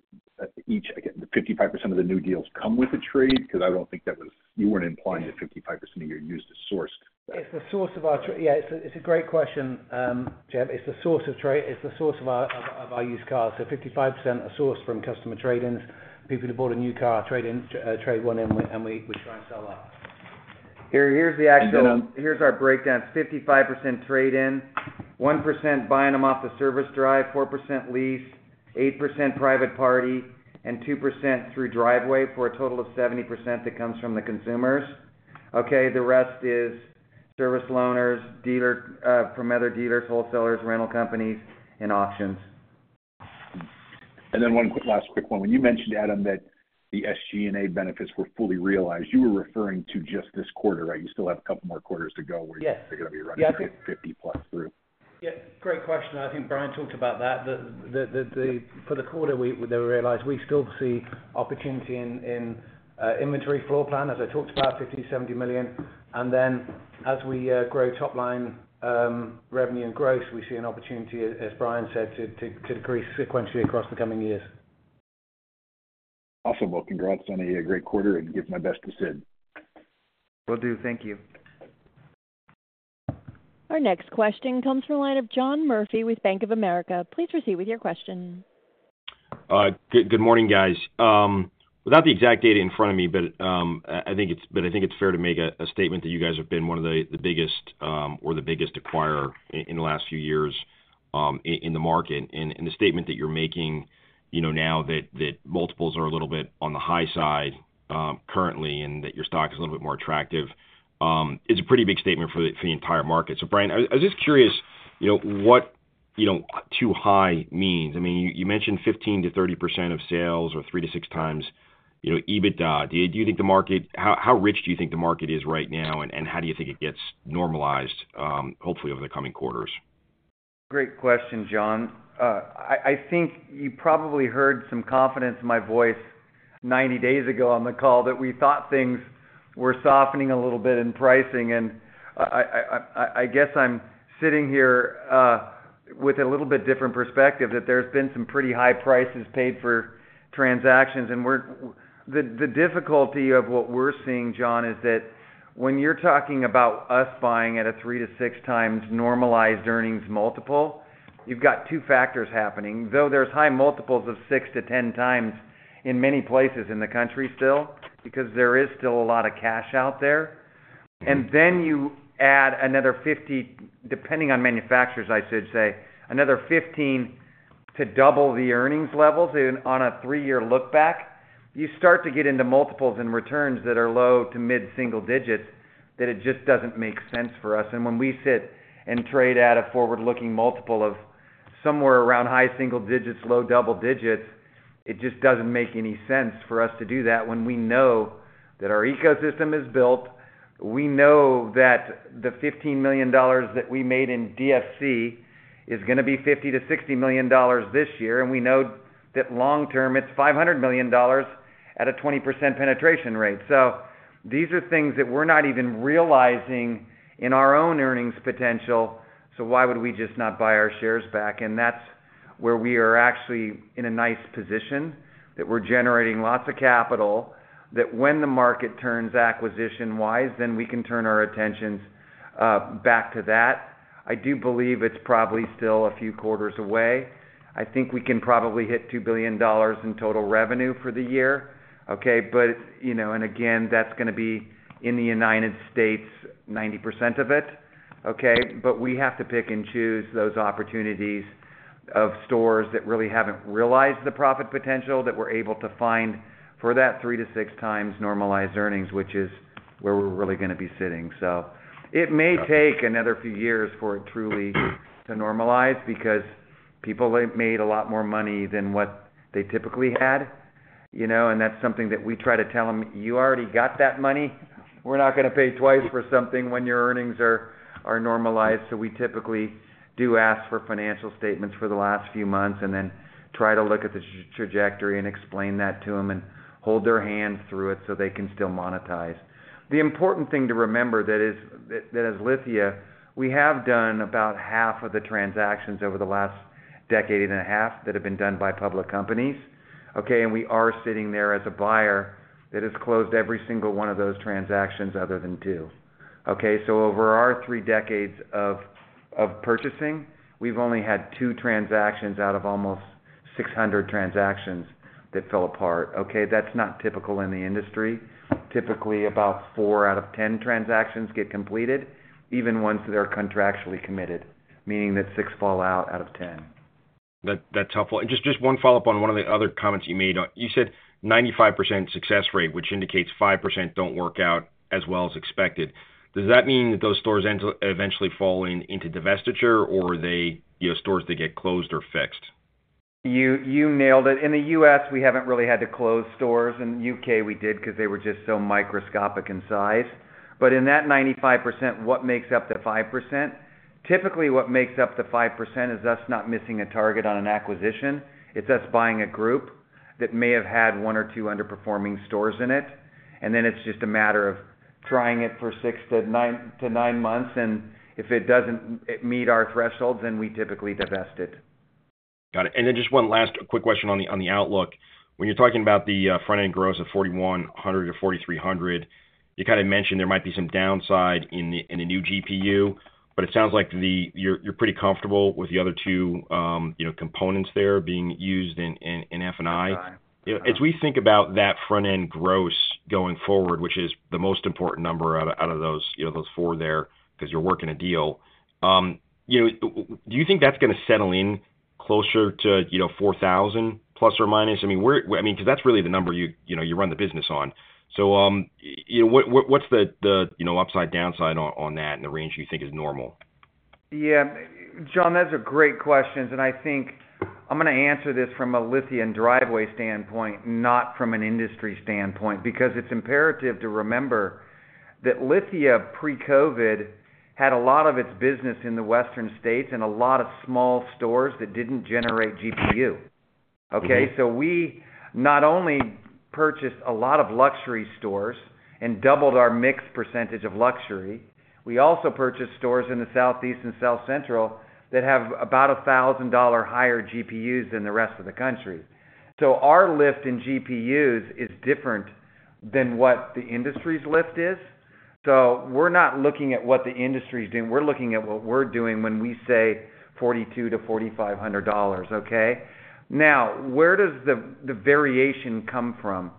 each, again, the 55% of the new deals come with a trade? Because I don't think that was, you weren't implying that 55% of your used is sourced. It's the source of our trade. Yeah. It's a, it's a great question, Bret. It's the source of trade. It's the source of our, of our used cars. So 55% are sourced from customer trade-ins. People who bought a new car trade-in, trade one in, and we, we try and sell that. Here, here's the actual, here's our breakdown. It's 55% trade-in, 1% buying them off the service drive, 4% lease, 8% private party, and 2% through Driveway for a total of 70% that comes from the consumers. Okay? The rest is service loaners, dealer, from other dealers, wholesalers, rental companies, and auctions. And then one quick, last quick one. When you mentioned, Adam, that the SG&A benefits were fully realized, you were referring to just this quarter, right? You still have a couple more quarters to go where you're going to be running 50+ through. Yeah. Great question. I think Bryan talked about that the, for the quarter we, they realized we still see opportunity in, in, inventory floor plan, as I talked about, $50 million-$70 million. And then as we grow top line, revenue and gross, we see an opportunity, as Bryan said, to decrease sequentially across the coming years. Awesome. Well, congrats on a great quarter, and give my best to Sid. Will do. Thank you. Our next question comes from the line of John Murphy with Bank of America. Please proceed with your question. Good morning, guys. Without the exact data in front of me, but I think it's fair to make a statement that you guys have been one of the biggest, or the biggest acquirer in the last few years in the market. The statement that you're making, you know, now that multiples are a little bit on the high side currently and that your stock is a little bit more attractive, is a pretty big statement for the entire market, so Bryan, I was just curious, you know, what too high means. I mean, you mentioned 15%-30% of sales or three to six times, you know, EBITDA. Do you think the market, how rich do you think the market is right now, and how do you think it gets normalized, hopefully over the coming quarters? Great question, John. I think you probably heard some confidence in my voice 90 days ago on the call that we thought things were softening a little bit in pricing. And I guess I'm sitting here with a little bit different perspective that there's been some pretty high prices paid for transactions. And the difficulty of what we're seeing, John, is that when you're talking about us buying at a three to six times normalized earnings multiple, you've got two factors happening. Though there's high multiples of six to ten times in many places in the country still, because there is still a lot of cash out there. And then you add another 50, depending on manufacturers, I should say, another 15 to double the earnings levels on a three-year lookback. You start to get into multiples and returns that are low to mid-single digits that it just doesn't make sense for us. And when we sit and trade at a forward-looking multiple of somewhere around high single digits, low double digits, it just doesn't make any sense for us to do that when we know that our ecosystem is built. We know that the $15 million that we made in DFC is going to be $50 million-$60 million this year. And we know that long-term it's $500 million at a 20% penetration rate. So these are things that we're not even realizing in our own earnings potential. So why would we just not buy our shares back? That's where we are actually in a nice position that we're generating lots of capital, that when the market turns acquisition-wise, then we can turn our attentions back to that. I do believe it's probably still a few quarters away. I think we can probably hit $2 billion in total revenue for the year. Okay? But, you know, and again, that's going to be in the United States, 90% of it. Okay? But we have to pick and choose those opportunities of stores that really haven't realized the profit potential that we're able to find for that three to six times normalized earnings, which is where we're really going to be sitting. It may take another few years for it truly to normalize because people made a lot more money than what they typically had, you know? That's something that we try to tell them, "You already got that money. We're not going to pay twice for something when your earnings are normalized." So we typically do ask for financial statements for the last few months and then try to look at the trajectory and explain that to them and hold their hand through it so they can still monetize. The important thing to remember is that as Lithia, we have done about half of the transactions over the last decade and a half that have been done by public companies. Okay? And we are sitting there as a buyer that has closed every single one of those transactions other than two. Okay? So over our three decades of purchasing, we've only had two transactions out of almost 600 transactions that fell apart. Okay? That's not typical in the industry. Typically, about four out of ten transactions get completed, even once they're contractually committed, meaning that six fall out of ten. That's helpful. And just one follow-up on one of the other comments you made. You said 95% success rate, which indicates 5% don't work out as well as expected. Does that mean that those stores eventually fall into divestiture, or are they, you know, stores that get closed or fixed? You nailed it. In the U.S., we haven't really had to close stores. In the U.K., we did because they were just so microscopic in size. But in that 95%, what makes up the 5%? Typically, what makes up the 5% is us not missing a target on an acquisition. It's us buying a group that may have had one or two underperforming stores in it. And then it's just a matter of trying it for six to nine months. And if it doesn't meet our thresholds, then we typically divest it. Got it. And then just one last quick question on the outlook. When you're talking about the front-end gross of $4,100-$4,300, you kind of mentioned there might be some downside in the new GPU, but it sounds like you're pretty comfortable with the other two, you know, components there being used in F&I. Yeah. As we think about that front-end gross going forward, which is the most important number out of those, you know, those four there, because you're working a deal, you know, do you think that's going to settle in closer to, you know, $4,000±? I mean, because that's really the number you know you run the business on. So, you know, what's the upside, downside on that and the range you think is normal? Yeah. John, those are great questions, and I think I'm going to answer this from a Lithia and Driveway standpoint, not from an industry standpoint, because it's imperative to remember that Lithia pre-COVID had a lot of its business in the Western States and a lot of small stores that didn't generate GPU. Okay? So we not only purchased a lot of luxury stores and doubled our mixed percentage of luxury, we also purchased stores in the Southeast and South Central that have about $1,000 higher GPUs than the rest of the country. So our lift in GPUs is different than what the industry's lift is. We're not looking at what the industry's doing. We're looking at what we're doing when we say $4,200-$4,500. Okay? Now, where does the variation come from?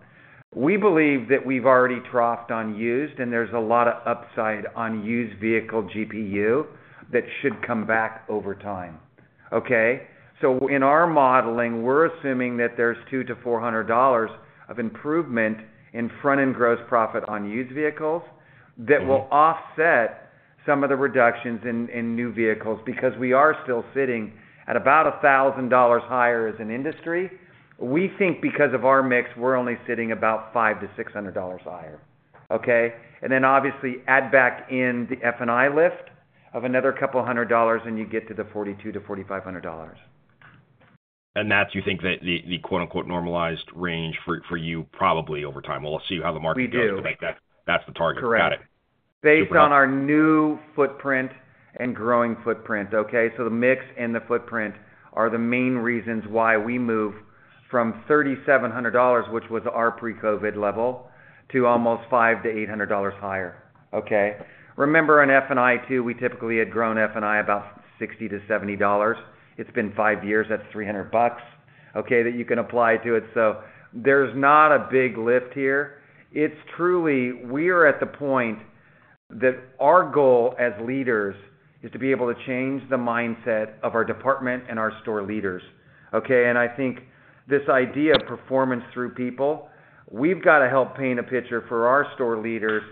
We believe that we've already troughed on used, and there's a lot of upside on used vehicle GPU that should come back over time. Okay? In our modeling, we're assuming that there's $200-$400 of improvement in front-end gross profit on used vehicles that will offset some of the reductions in new vehicles because we are still sitting at about $1,000 higher as an industry. We think because of our mix, we're only sitting about $500-$600 higher. Okay? And then obviously add back in the F&I lift of another $200, and you get to the $4,200-$4,500. That's, you think that the quote-unquote normalized range for you probably over time. Let's see how the market does to make that. That's the target. Correct. Got it. Based on our new footprint and growing footprint. Okay? So the mix and the footprint are the main reasons why we move from $3,700, which was our pre-COVID level, to almost $500-$800 higher. Okay? Remember on F&I too, we typically had grown F&I about $60-$70. It's been five years. That's $300. Okay? That you can apply to it. So there's not a big lift here. It's truly we are at the point that our goal as leaders is to be able to change the mindset of our department and our store leaders. Okay? I think this idea of performance through people. We've got to help paint a picture for our store leaders.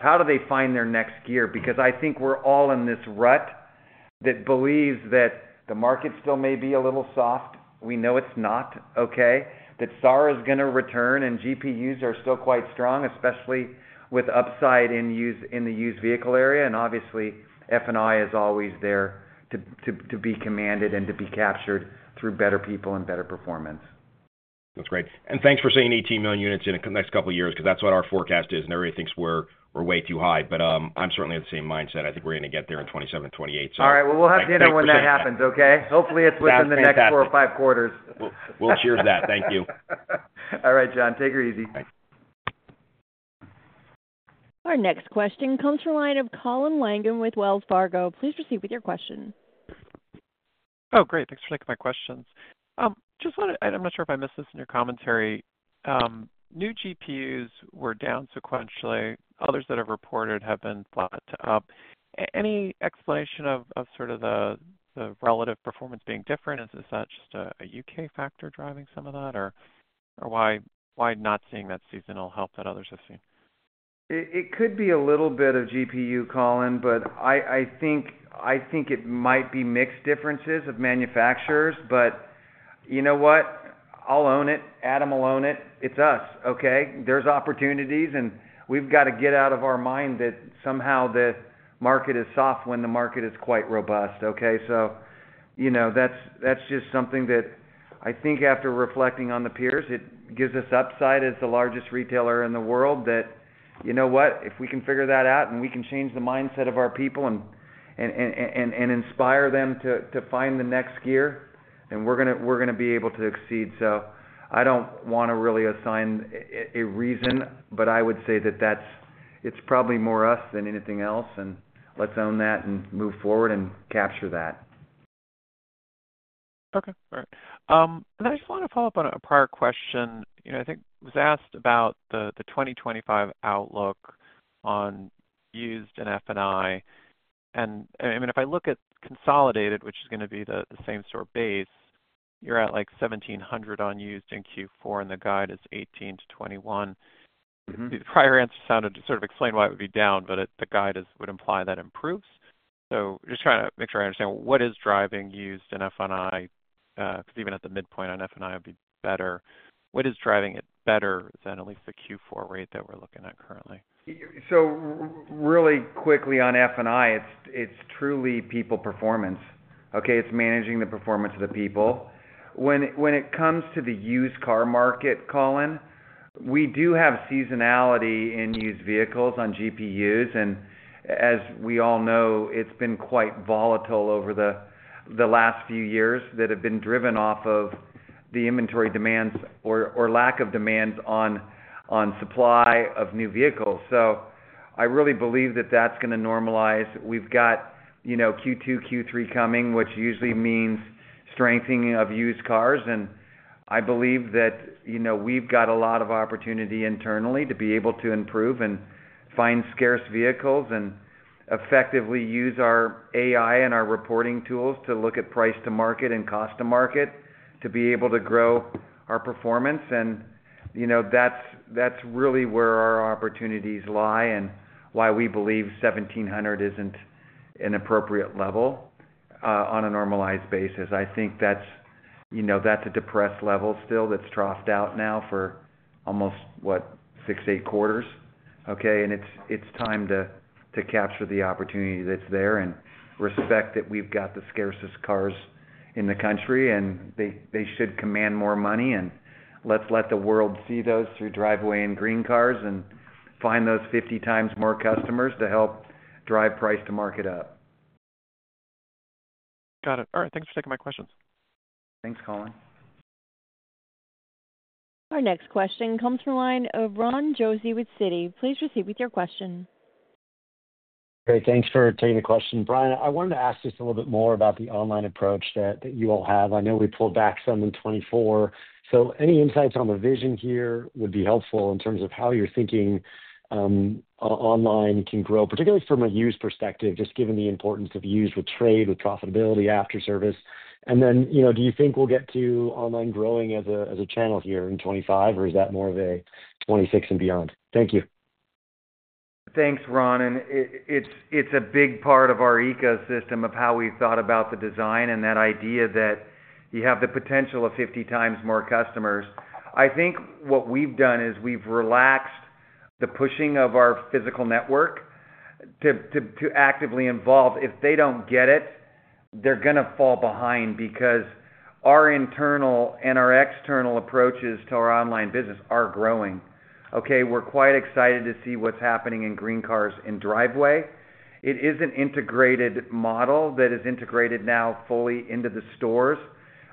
How do they find their next gear? Because I think we're all in this rut that believes that the market still may be a little soft. We know it's not. Okay? That SAR is going to return and GPUs are still quite strong, especially with upside in used, in the used vehicle area. And obviously, F&I is always there to be commanded and to be captured through better people and better performance. That's great. And thanks for saying 18 million units in the next couple of years, because that's what our forecast is. And everybody thinks we're way too high. But, I'm certainly of the same mindset. I think we're going to get there in 2027, 2028. All right. Well, we'll have dinner when that happens. Okay? Hopefully it's within the next four or five quarters. We'll cheers that. Thank you. All right, John. Take it easy. Our next question comes from the line of Colin Langan with Wells Fargo. Please proceed with your question. Oh, great. Thanks for taking my questions. I just want to. I'm not sure if I missed this in your commentary. New GPUs were down sequentially. Others that have reported have been flat. Any explanation of sort of the relative performance being different? Is that just a U.K. factor driving some of that, or why not seeing that seasonal help that others have seen? It could be a little bit of GPU, Colin, but I think it might be mixed differences of manufacturers. But you know what? I'll own it. Adam will own it. It's us. Okay? There's opportunities, and we've got to get out of our mind that somehow the market is soft when the market is quite robust. Okay? So, you know, that's just something that I think after reflecting on the peers, it gives us upside as the largest retailer in the world that, you know what? If we can figure that out and we can change the mindset of our people and inspire them to find the next gear, then we're going to be able to exceed. So I don't want to really assign a reason, but I would say that that's, it's probably more us than anything else. And let's own that and move forward and capture that. Okay. All right, and I just want to follow up on a prior question. You know, I think it was asked about the 2025 outlook on used and F&I. I mean, if I look at consolidated, which is going to be the same store base, you're at like 1,700 on used in Q4, and the guide is 18-21. The prior answer sounded to sort of explain why it would be down, but the guide would imply that improves. Just trying to make sure I understand what is driving used and F&I, because even at the midpoint on F&I would be better. What is driving it better than at least the Q4 rate that we're looking at currently? Really quickly on F&I, it's truly people performance. Okay? It's managing the performance of the people. When it comes to the used car market, Colin, we do have seasonality in used vehicles on GPUs. And as we all know, it's been quite volatile over the last few years that have been driven off of the inventory demands or lack of demands on supply of new vehicles. So I really believe that that's going to normalize. We've got, you know, Q2, Q3 coming, which usually means strengthening of used cars. And I believe that, you know, we've got a lot of opportunity internally to be able to improve and find scarce vehicles and effectively use our AI and our reporting tools to look at price to market and cost to market to be able to grow our performance. And, you know, that's really where our opportunities lie and why we believe 1,700 isn't an appropriate level, on a normalized basis. I think that's, you know, that's a depressed level still that's troughed out now for almost, what, six, eight quarters. Okay? It's time to capture the opportunity that's there and respect that we've got the scarcest cars in the country, and they should command more money. Let's let the world see those through Driveway and GreenCars and find those 50 times more customers to help drive price to market up. Got it. All right. Thanks for taking my questions. Thanks, Colin. Our next question comes from the line of Ron Josey with Citi. Please proceed with your question. Great. Thanks for taking the question, Bryan. I wanted to ask just a little bit more about the online approach that you all have. I know we pulled back some in 2024. So any insights on the vision here would be helpful in terms of how you're thinking online can grow, particularly from a used perspective, just given the importance of used with trade, with profitability after service. And then, you know, do you think we'll get to online growing as a channel here in 2025, or is that more of a 2026 and beyond? Thank you. Thanks, Ron. And it's a big part of our ecosystem of how we've thought about the design and that idea that you have the potential of 50 times more customers. I think what we've done is we've relaxed the pushing of our physical network to actively involve. If they don't get it, they're going to fall behind because our internal and our external approaches to our online business are growing. Okay? We're quite excited to see what's happening in GreenCars and Driveway. It is an integrated model that is integrated now fully into the stores.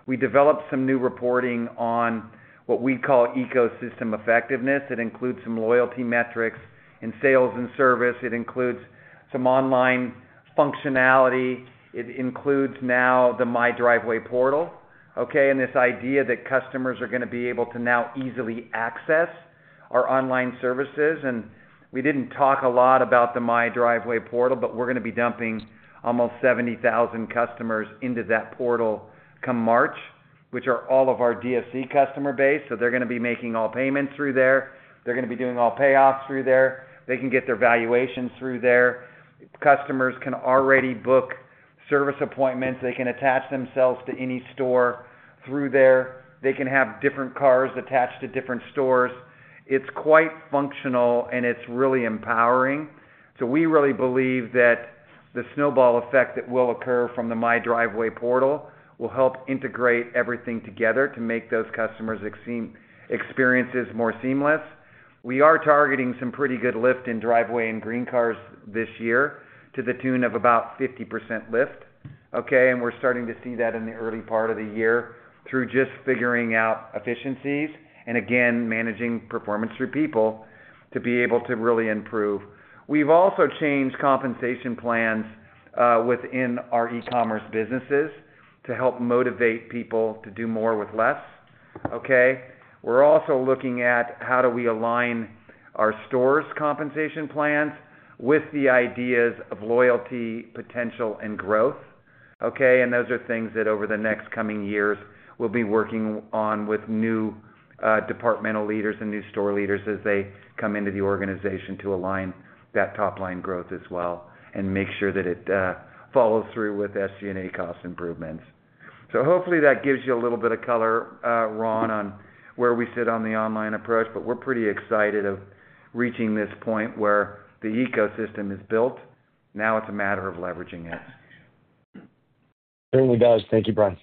We developed some new reporting on what we call ecosystem effectiveness. It includes some loyalty metrics in sales and service. It includes some online functionality. It includes now the My Driveway portal. Okay? And this idea that customers are going to be able to now easily access our online services. And we didn't talk a lot about the My Driveway portal, but we're going to be dumping almost 70,000 customers into that portal come March, which are all of our DFC customer base. So they're going to be making all payments through there. They're going to be doing all payoffs through there. They can get their valuations through there. Customers can already book service appointments. They can attach themselves to any store through there. They can have different cars attached to different stores. It's quite functional, and it's really empowering. So we really believe that the snowball effect that will occur from the My Driveway portal will help integrate everything together to make those customers' experiences more seamless. We are targeting some pretty good lift in Driveway and GreenCars this year to the tune of about 50% lift. Okay? And we're starting to see that in the early part of the year through just figuring out efficiencies and, again, managing performance through people to be able to really improve. We've also changed compensation plans, within our e-commerce businesses to help motivate people to do more with less. Okay? We're also looking at how do we align our stores' compensation plans with the ideas of loyalty potential and growth. Okay? And those are things that over the next coming years we'll be working on with new departmental leaders and new store leaders as they come into the organization to align that top-line growth as well and make sure that it follows through with SG&A cost improvements. So hopefully that gives you a little bit of color, Ron, on where we sit on the online approach. But we're pretty excited of reaching this point where the ecosystem is built. Now it's a matter of leveraging it. Certainly does. Thank you, Bryan.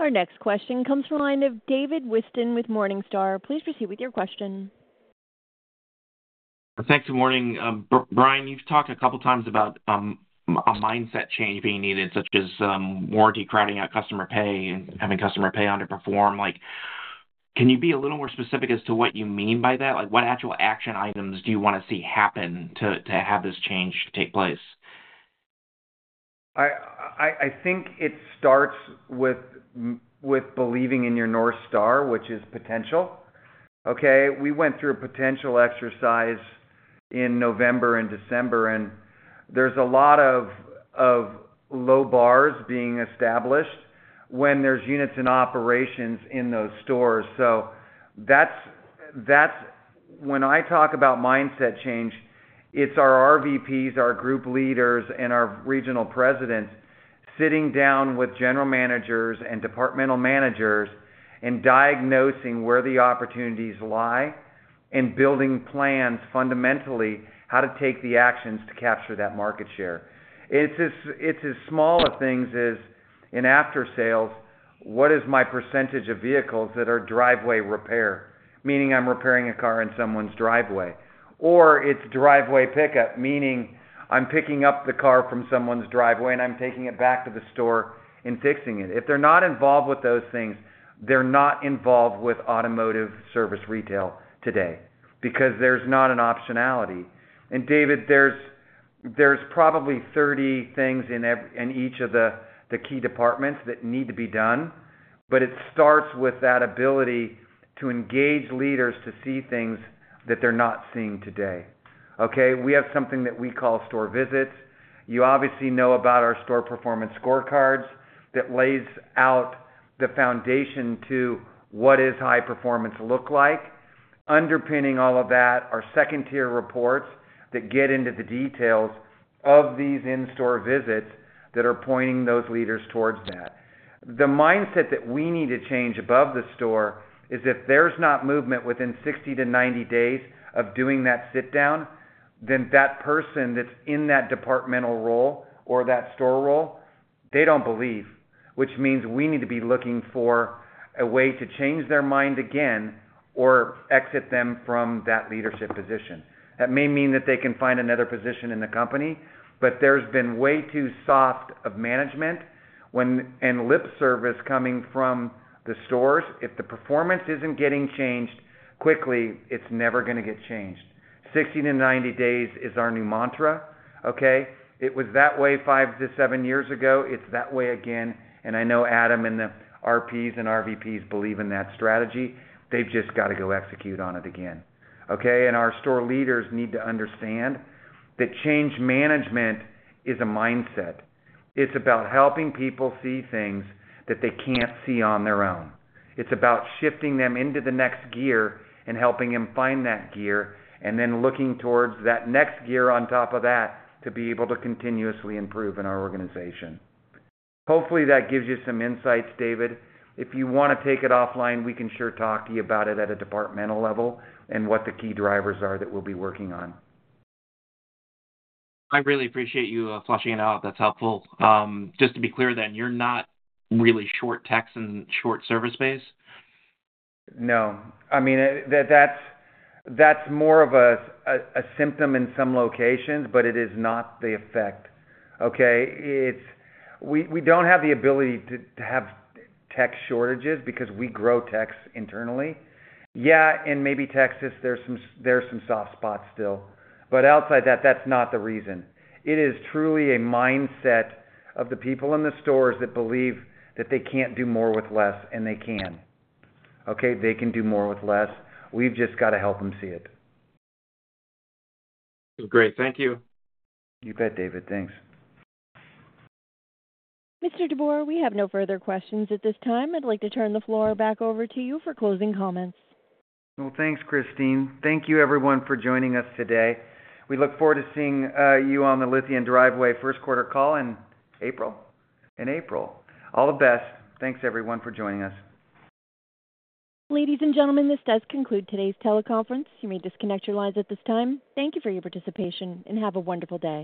Our next question comes from the line of David Whiston with Morningstar. Please proceed with your question. Thanks. Good morning. Bryan, you've talked a couple of times about a mindset change being needed, such as warranty crowding out customer pay and having customer pay underperform. Like, can you be a little more specific as to what you mean by that? Like, what actual action items do you want to see happen to have this change take place? I think it starts with believing in your North Star, which is potential. Okay? We went through a potential exercise in November and December, and there's a lot of low bars being established when there's units in operations in those stores. So that's when I talk about mindset change. It's our RVPs, our group leaders, and our regional presidents sitting down with general managers and departmental managers and diagnosing where the opportunities lie and building plans fundamentally how to take the actions to capture that market share. It's as small of things as in after sales, what is my percentage of vehicles that are driveway repair, meaning I'm repairing a car in someone's driveway? Or it's driveway pickup, meaning I'm picking up the car from someone's driveway and I'm taking it back to the store and fixing it. If they're not involved with those things, they're not involved with automotive service retail today because there's not an optionality. And David, there's probably 30 things in each of the key departments that need to be done. But it starts with that ability to engage leaders to see things that they're not seeing today. Okay? We have something that we call store visits. You obviously know about our store performance scorecards that lays out the foundation to what does high performance look like. Underpinning all of that are second-tier reports that get into the details of these in-store visits that are pointing those leaders towards that. The mindset that we need to change above the store is if there's not movement within 60-90 days of doing that sit-down, then that person that's in that departmental role or that store role, they don't believe, which means we need to be looking for a way to change their mind again or exit them from that leadership position. That may mean that they can find another position in the company, but there's been way too soft of management and lip service coming from the stores. If the performance isn't getting changed quickly, it's never going to get changed. 60-90 days is our new mantra. Okay? It was that way five to seven years ago. It's that way again, and I know Adam and the RPs and RVPs believe in that strategy. They've just got to go execute on it again. Okay? Our store leaders need to understand that change management is a mindset. It's about helping people see things that they can't see on their own. It's about shifting them into the next gear and helping them find that gear and then looking towards that next gear on top of that to be able to continuously improve in our organization. Hopefully that gives you some insights, David. If you want to take it offline, we can sure talk to you about it at a departmental level and what the key drivers are that we'll be working on. I really appreciate you fleshing it out. That's helpful. Just to be clear then, you're not really short techs and short service space? No. I mean, that's more of a symptom in some locations, but it is not the effect. Okay? It's we. We don't have the ability to have tech shortages because we grow techs internally. Yeah. And maybe techs, there's some soft spots still. But outside that, that's not the reason. It is truly a mindset of the people in the stores that believe that they can't do more with less, and they can. Okay? They can do more with less. We've just got to help them see it. Great. Thank you. You bet, David. Thanks. Mr. DeBoer, we have no further questions at this time. I'd like to turn the floor back over to you for closing comments. Well, thanks, Christine. Thank you, everyone, for joining us today. We look forward to seeing you on the Lithia Driveway first quarter call in April. In April. All the best. Thanks, everyone, for joining us. Ladies and gentlemen, this does conclude today's teleconference. You may disconnect your lines at this time. Thank you for your participation and have a wonderful day.